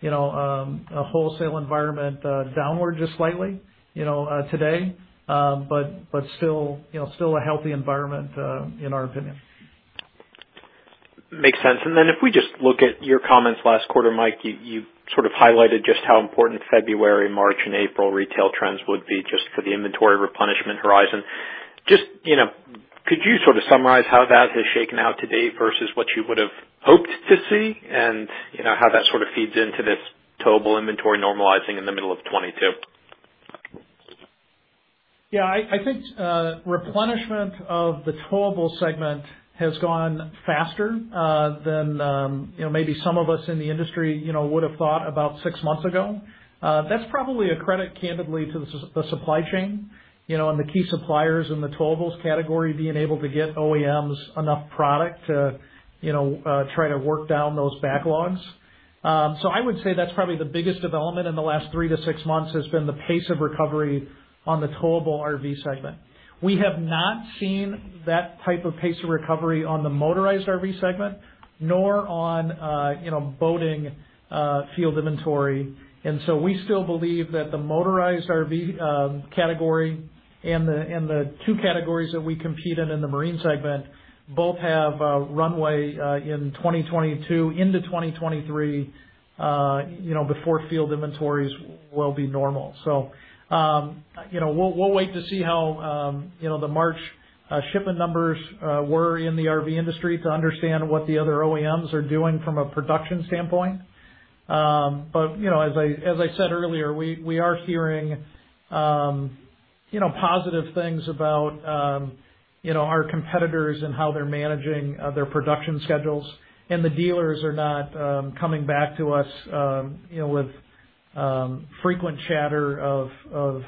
you know, a wholesale environment downward just slightly, you know, today. Still, you know, a healthy environment in our opinion. Makes sense. If we just look at your comments last quarter, Mike, you sort of highlighted just how important February, March, and April retail trends would be just for the inventory replenishment horizon. Just, you know, could you sort of summarize how that has shaken out today versus what you would have hoped to see and, you know, how that sort of feeds into this towable inventory normalizing in the middle of 2022? Yeah, I think replenishment of the towable segment has gone faster than you know, maybe some of us in the industry you know, would have thought about six months ago. That's probably a credit, candidly, to the supply chain you know, and the key suppliers in the towables category being able to get OEMs enough product to you know, try to work down those backlogs. I would say that's probably the biggest development in the last three to six months has been the pace of recovery on the towable RV segment. We have not seen that type of pace of recovery on the motorized RV segment, nor on you know, boating field inventory. We still believe that the motorized RV category and the two categories that we compete in in the marine segment both have runway in 2022 into 2023, you know, before field inventories will be normal. You know, we'll wait to see how the March shipment numbers were in the RV industry to understand what the other OEMs are doing from a production standpoint. You know, as I said earlier, we are hearing positive things about our competitors and how they're managing their production schedules. The dealers are not coming back to us, you know, with frequent chatter of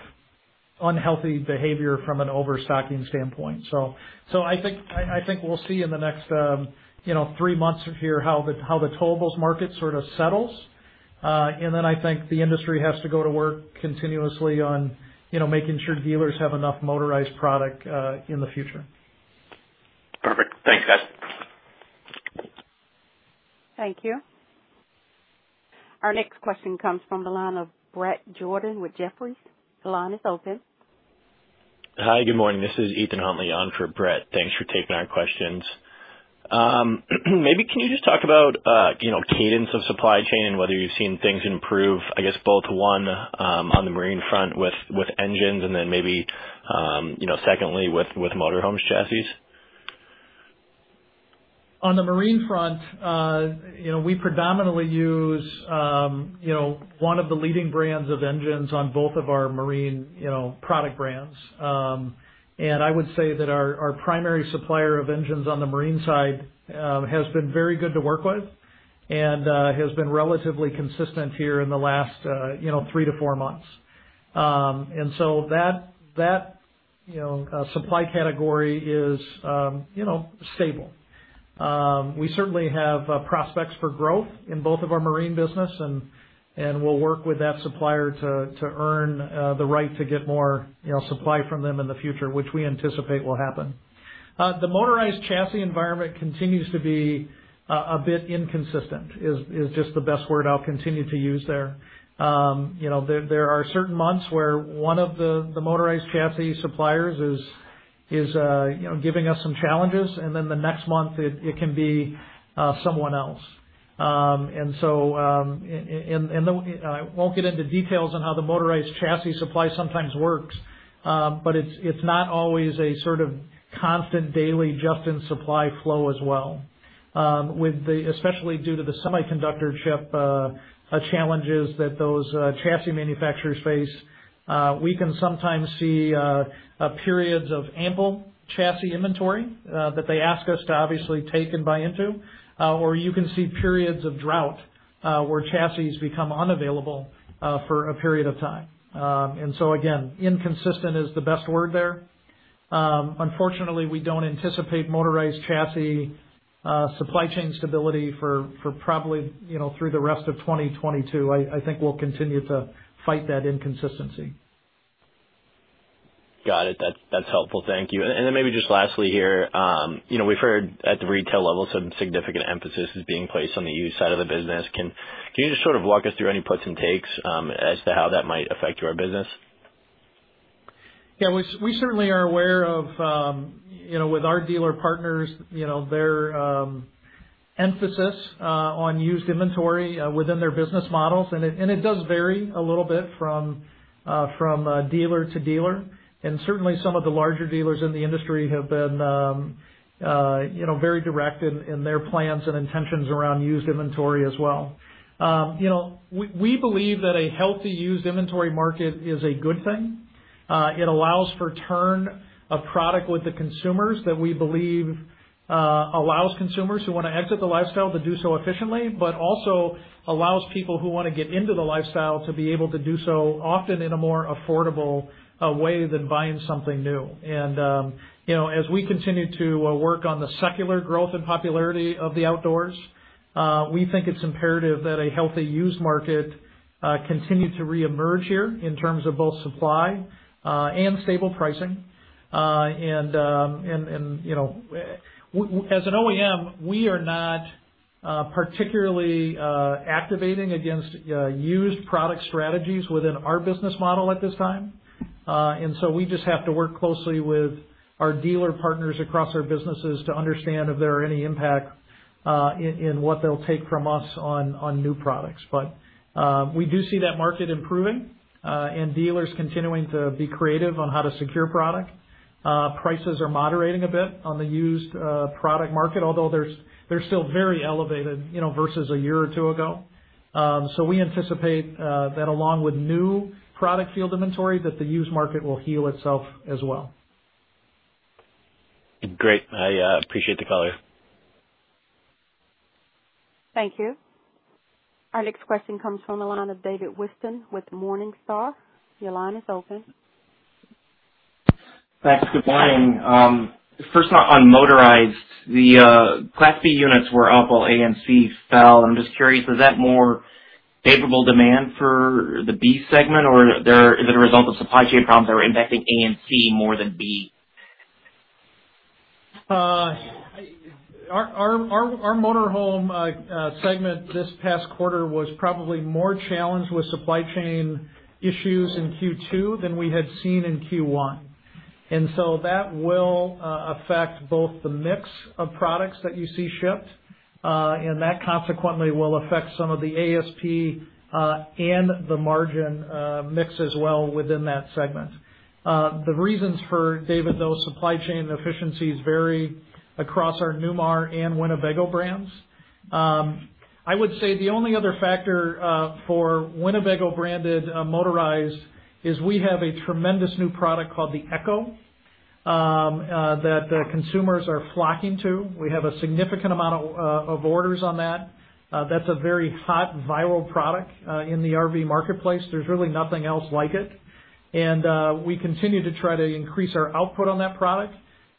unhealthy behavior from an overstocking standpoint. I think we'll see in the next three months here how the towables market sort of settles. I think the industry has to go to work continuously on you know making sure dealers have enough motorized product in the future. Perfect. Thanks, guys. Thank you. Our next question comes from the line of Bret Jordan with Jefferies. The line is open. Hi. Good morning. This is Ethan Huntley on for Bret. Thanks for taking our questions. Maybe can you just talk about, you know, cadence of supply chain and whether you've seen things improve, I guess both one, on the marine front with engines and then maybe, you know, secondly with motorhomes chassis? On the marine front, you know, we predominantly use, you know, one of the leading brands of engines on both of our marine, you know, product brands. I would say that our primary supplier of engines on the marine side has been very good to work with and has been relatively consistent here in the last, you know, three to four months. That supply category is, you know, stable. We certainly have prospects for growth in both of our marine business and we'll work with that supplier to earn the right to get more, you know, supply from them in the future, which we anticipate will happen. The motorized chassis environment continues to be a bit inconsistent, is just the best word I'll continue to use there. You know, there are certain months where one of the motorized chassis suppliers is giving us some challenges, and then the next month it can be someone else. I won't get into details on how the motorized chassis supply sometimes works, but it's not always a sort of constant daily just-in-supply flow as well. Especially due to the semiconductor chip challenges that those chassis manufacturers face, we can sometimes see periods of ample chassis inventory that they ask us to obviously take and buy into, or you can see periods of drought where chassis become unavailable for a period of time. Again, inconsistent is the best word there. Unfortunately, we don't anticipate motorized chassis supply chain stability for probably, you know, through the rest of 2022. I think we'll continue to fight that inconsistency. Got it. That's helpful. Thank you. Maybe just lastly here, you know, we've heard at the retail level some significant emphasis is being placed on the used side of the business. Can you just sort of walk us through any puts and takes as to how that might affect your business? We certainly are aware of, you know, with our dealer partners, you know, their emphasis on used inventory within their business models. It does vary a little bit from dealer to dealer. Certainly, some of the larger dealers in the industry have been, you know, very direct in their plans and intentions around used inventory as well. You know, we believe that a healthy used inventory market is a good thing. It allows for turn of product with the consumers that we believe allows consumers who wanna exit the lifestyle to do so efficiently, but also allows people who wanna get into the lifestyle to be able to do so often in a more affordable way than buying something new. you know, as we continue to work on the secular growth and popularity of the outdoors, we think it's imperative that a healthy used market continue to reemerge here in terms of both supply and stable pricing. You know, as an OEM, we are not particularly activating against used product strategies within our business model at this time. We just have to work closely with our dealer partners across our businesses to understand if there are any impact in what they'll take from us on new products. We do see that market improving and dealers continuing to be creative on how to secure product. Prices are moderating a bit on the used product market, although they're still very elevated, you know, versus a year or two ago. We anticipate that along with new product field inventory, that the used market will heal itself as well. Great. I appreciate the color. Thank you. Our next question comes from the line of David Whiston with Morningstar. Your line is open. Thanks. Good morning. First on motorized, the Class B units were up while A and C fell. I'm just curious, is that more favorable demand for the B segment, or is it a result of supply chain problems that were impacting A and C more than B? Our motor home segment this past quarter was probably more challenged with supply chain issues in Q2 than we had seen in Q1. That will affect both the mix of products that you see shipped, and that consequently will affect some of the ASP, and the margin mix as well within that segment. The reasons for, David, though, supply chain efficiencies vary across our Newmar and Winnebago brands. I would say the only other factor for Winnebago-branded motorized is we have a tremendous new product called the Ekko that the consumers are flocking to. We have a significant amount of orders on that. That's a very hot, viral product in the RV marketplace. There's really nothing else like it. We continue to try to increase our output on that product,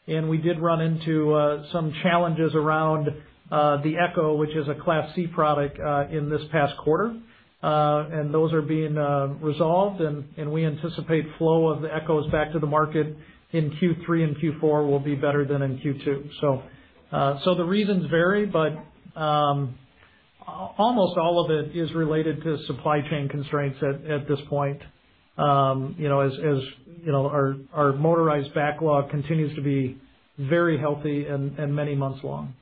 and we did run into some challenges around the Ekko, which is a Class C product in this past quarter. Those are being resolved and we anticipate flow of the Ekkos back to the market in Q3 and Q4 will be better than in Q2. The reasons vary, but almost all of it is related to supply chain constraints at this point, you know, as you know, our motorized backlog continues to be very healthy and many months long.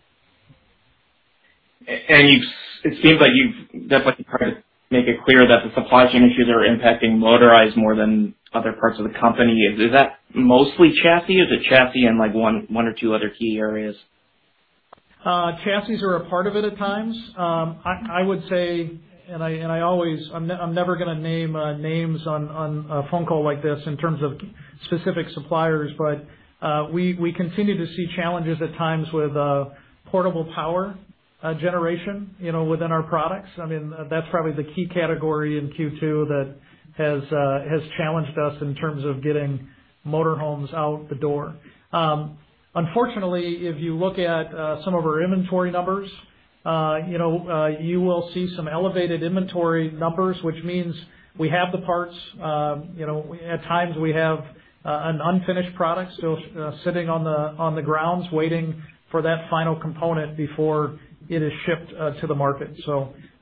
You've definitely tried to make it clear that the supply chain issues are impacting motorized more than other parts of the company. Is that mostly chassis? Is it chassis and, like, one or two other key areas? Chassis are a part of it at times. I would say I'm never gonna name names on a phone call like this in terms of specific suppliers, but we continue to see challenges at times with portable power generation, you know, within our products. I mean, that's probably the key category in Q2 that has challenged us in terms of getting motor homes out the door. Unfortunately, if you look at some of our inventory numbers, you know, you will see some elevated inventory numbers, which means we have the parts, you know, at times we have an unfinished product so sitting on the grounds waiting for that final component before it is shipped to the market.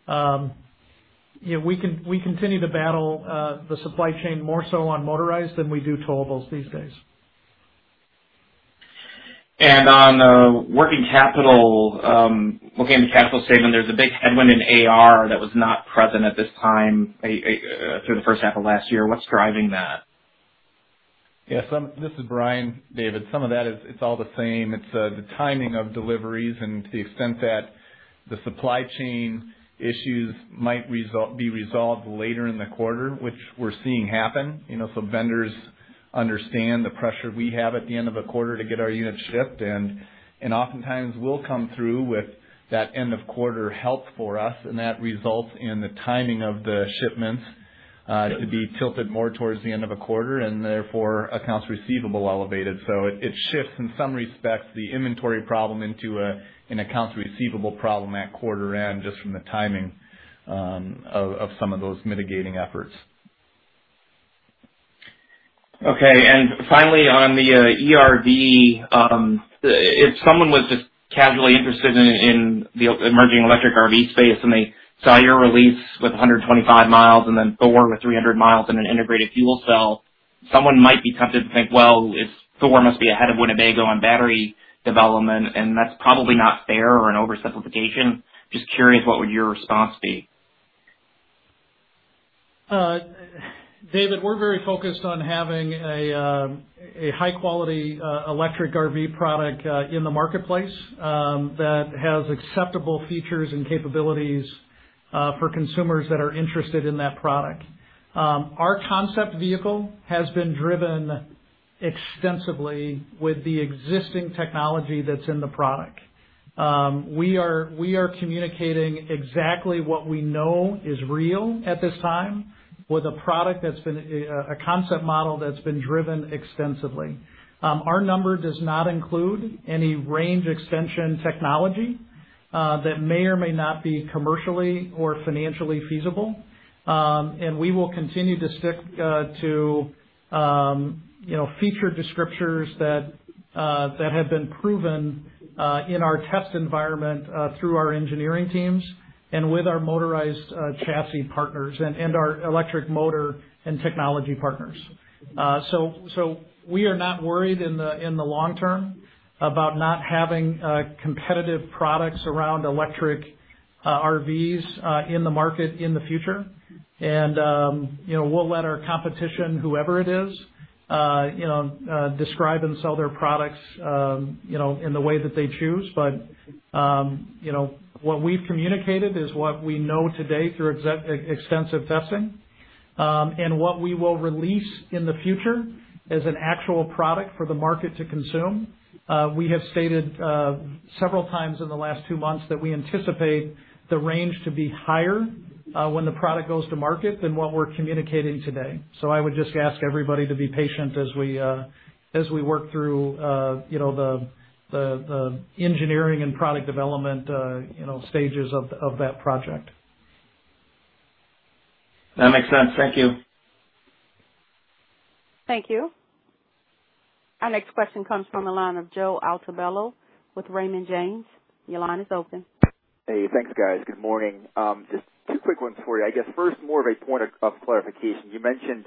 Yeah, we continue to battle the supply chain more so on motorized than we do towable these days. On working capital, looking at the cash flow statement, there's a big headwind in AR that was not present at this time through the first half of last year. What's driving that? Yes, this is Bryan, David. Some of that is, it's all the same. It's the timing of deliveries and to the extent that the supply chain issues might be resolved later in the quarter, which we're seeing happen. You know, so vendors understand the pressure we have at the end of a quarter to get our units shipped, and oftentimes will come through with that end of quarter help for us, and that results in the timing of the shipments to be tilted more towards the end of a quarter and therefore accounts receivable elevated. So it shifts in some respects the inventory problem into an accounts receivable problem at quarter end just from the timing of some of those mitigating efforts. Okay. Finally, on the e-RV, if someone was just casually interested in the emerging electric RV space and they saw your release with 125 mi and then Thor with 300 mi and an integrated fuel cell, someone might be tempted to think, well, it's Thor must be ahead of Winnebago on battery development, and that's probably not fair or an oversimplification. Just curious what would your response be? David, we're very focused on having a high-quality electric RV product in the marketplace that has acceptable features and capabilities for consumers that are interested in that product. Our concept vehicle has been driven extensively with the existing technology that's in the product. We are communicating exactly what we know is real at this time with a product that's been a concept model that's been driven extensively. Our number does not include any range extension technology that may or may not be commercially or financially feasible. We will continue to stick to you know, feature descriptors that have been proven in our test environment through our engineering teams and with our motorized chassis partners and our electric motor and technology partners. We are not worried in the long term about not having competitive products around electric RVs in the market in the future. You know, we'll let our competition, whoever it is, you know, describe and sell their products, you know, in the way that they choose. You know, what we've communicated is what we know today through extensive testing. What we will release in the future as an actual product for the market to consume. We have stated several times in the last two months that we anticipate the range to be higher when the product goes to market than what we're communicating today. I would just ask everybody to be patient as we work through, you know, the engineering and product development, you know, stages of that project. That makes sense. Thank you. Thank you. Our next question comes from the line of Joe Altobello with Raymond James. Your line is open. Hey. Thanks, guys. Good morning. Just two quick ones for you. I guess first, more of a point of clarification. You mentioned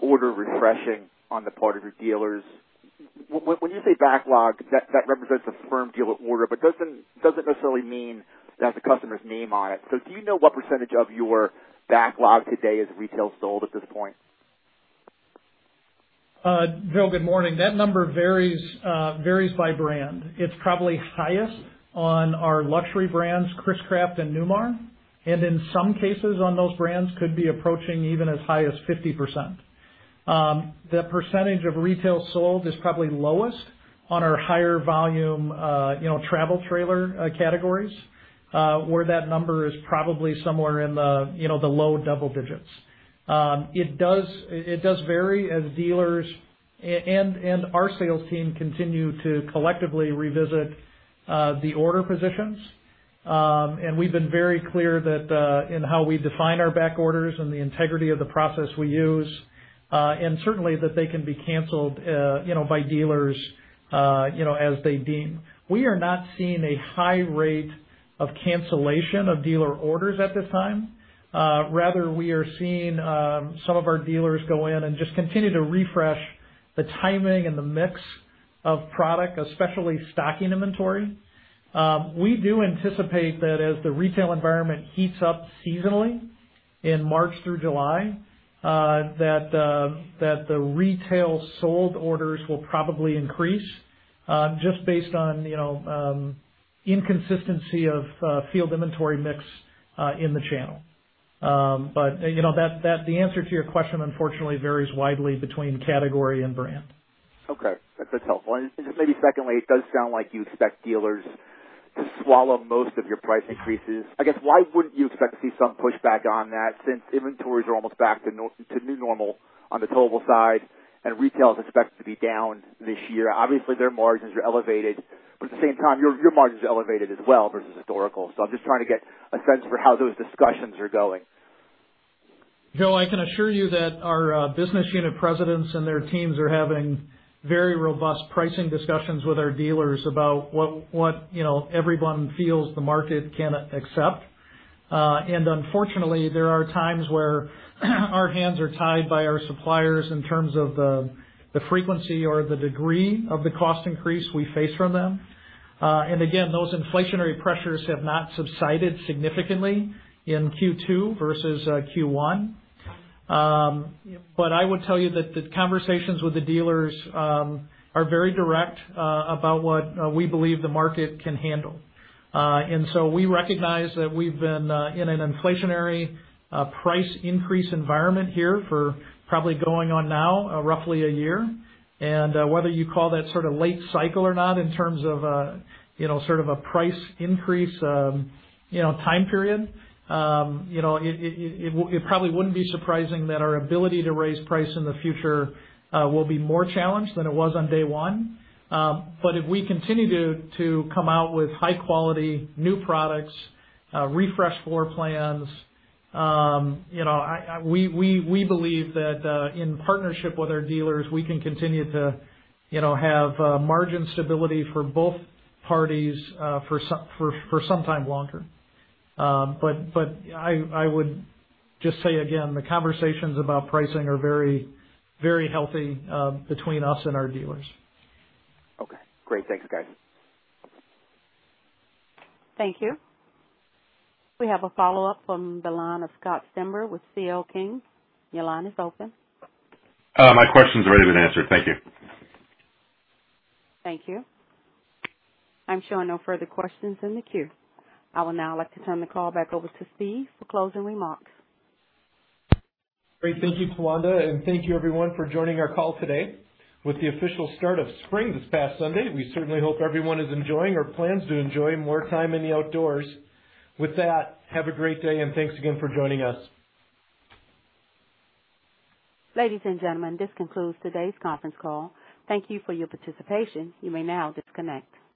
order refreshing on the part of your dealers. When you say backlog, that represents a firm deal of order, but doesn't necessarily mean that the customer's name on it. Do you know what percentage of your backlog today is retail sold at this point? Joe, good morning. That number varies by brand. It's probably highest on our luxury brands, Chris-Craft and Newmar. In some cases on those brands could be approaching even as high as 50%. The percentage of retail sold is probably lowest on our higher volume, you know, travel trailer categories, where that number is probably somewhere in the, you know, the low double digits. It does vary as dealers and our sales team continue to collectively revisit the order positions. We've been very clear that in how we define our back orders and the integrity of the process we use, and certainly that they can be canceled, you know, by dealers, you know, as they deem. We are not seeing a high rate of cancellation of dealer orders at this time. Rather we are seeing some of our dealers go in and just continue to refresh the timing and the mix of product, especially stocking inventory. We do anticipate that as the retail environment heats up seasonally in March through July, that the retail sold orders will probably increase just based on, you know, inconsistency of field inventory mix in the channel. You know, the answer to your question unfortunately varies widely between category and brand. Okay. That's helpful. Just maybe secondly, it does sound like you expect dealers to swallow most of your price increases. I guess, why wouldn't you expect to see some pushback on that since inventories are almost back to new normal on the towable side and retail is expected to be down this year? Obviously, their margins are elevated, but at the same time, your margins are elevated as well versus historical. I'm just trying to get a sense for how those discussions are going. Joe, I can assure you that our business unit presidents and their teams are having very robust pricing discussions with our dealers about what you know everyone feels the market can accept. Unfortunately, there are times where our hands are tied by our suppliers in terms of the frequency or the degree of the cost increase we face from them. Again, those inflationary pressures have not subsided significantly in Q2 versus Q1. I would tell you that the conversations with the dealers are very direct about what we believe the market can handle. We recognize that we've been in an inflationary price increase environment here for probably going on now roughly a year. Whether you call that sort of late cycle or not in terms of, you know, sort of a price increase, you know, time period, it probably wouldn't be surprising that our ability to raise price in the future will be more challenged than it was on day one. If we continue to come out with high quality new products, refresh floor plans, you know, we believe that, in partnership with our dealers, we can continue to, you know, have margin stability for both parties, for some time longer. I would just say again, the conversations about pricing are very, very healthy between us and our dealers. Okay, great. Thank you, guys. Thank you. We have a follow-up from the line of Scott Stember with C.L. King. Your line is open. My question's already been answered. Thank you.` Thank you. I'm showing no further questions in the queue. I would now like to turn the call back over to Steve for closing remarks. Great. Thank you, Tawanda, and thank you everyone for joining our call today. With the official start of spring this past Sunday, we certainly hope everyone is enjoying or plans to enjoy more time in the outdoors. With that, have a great day, and thanks again for joining us. Ladies and gentlemen, this concludes today's conference call. Thank you for your participation. You may now disconnect.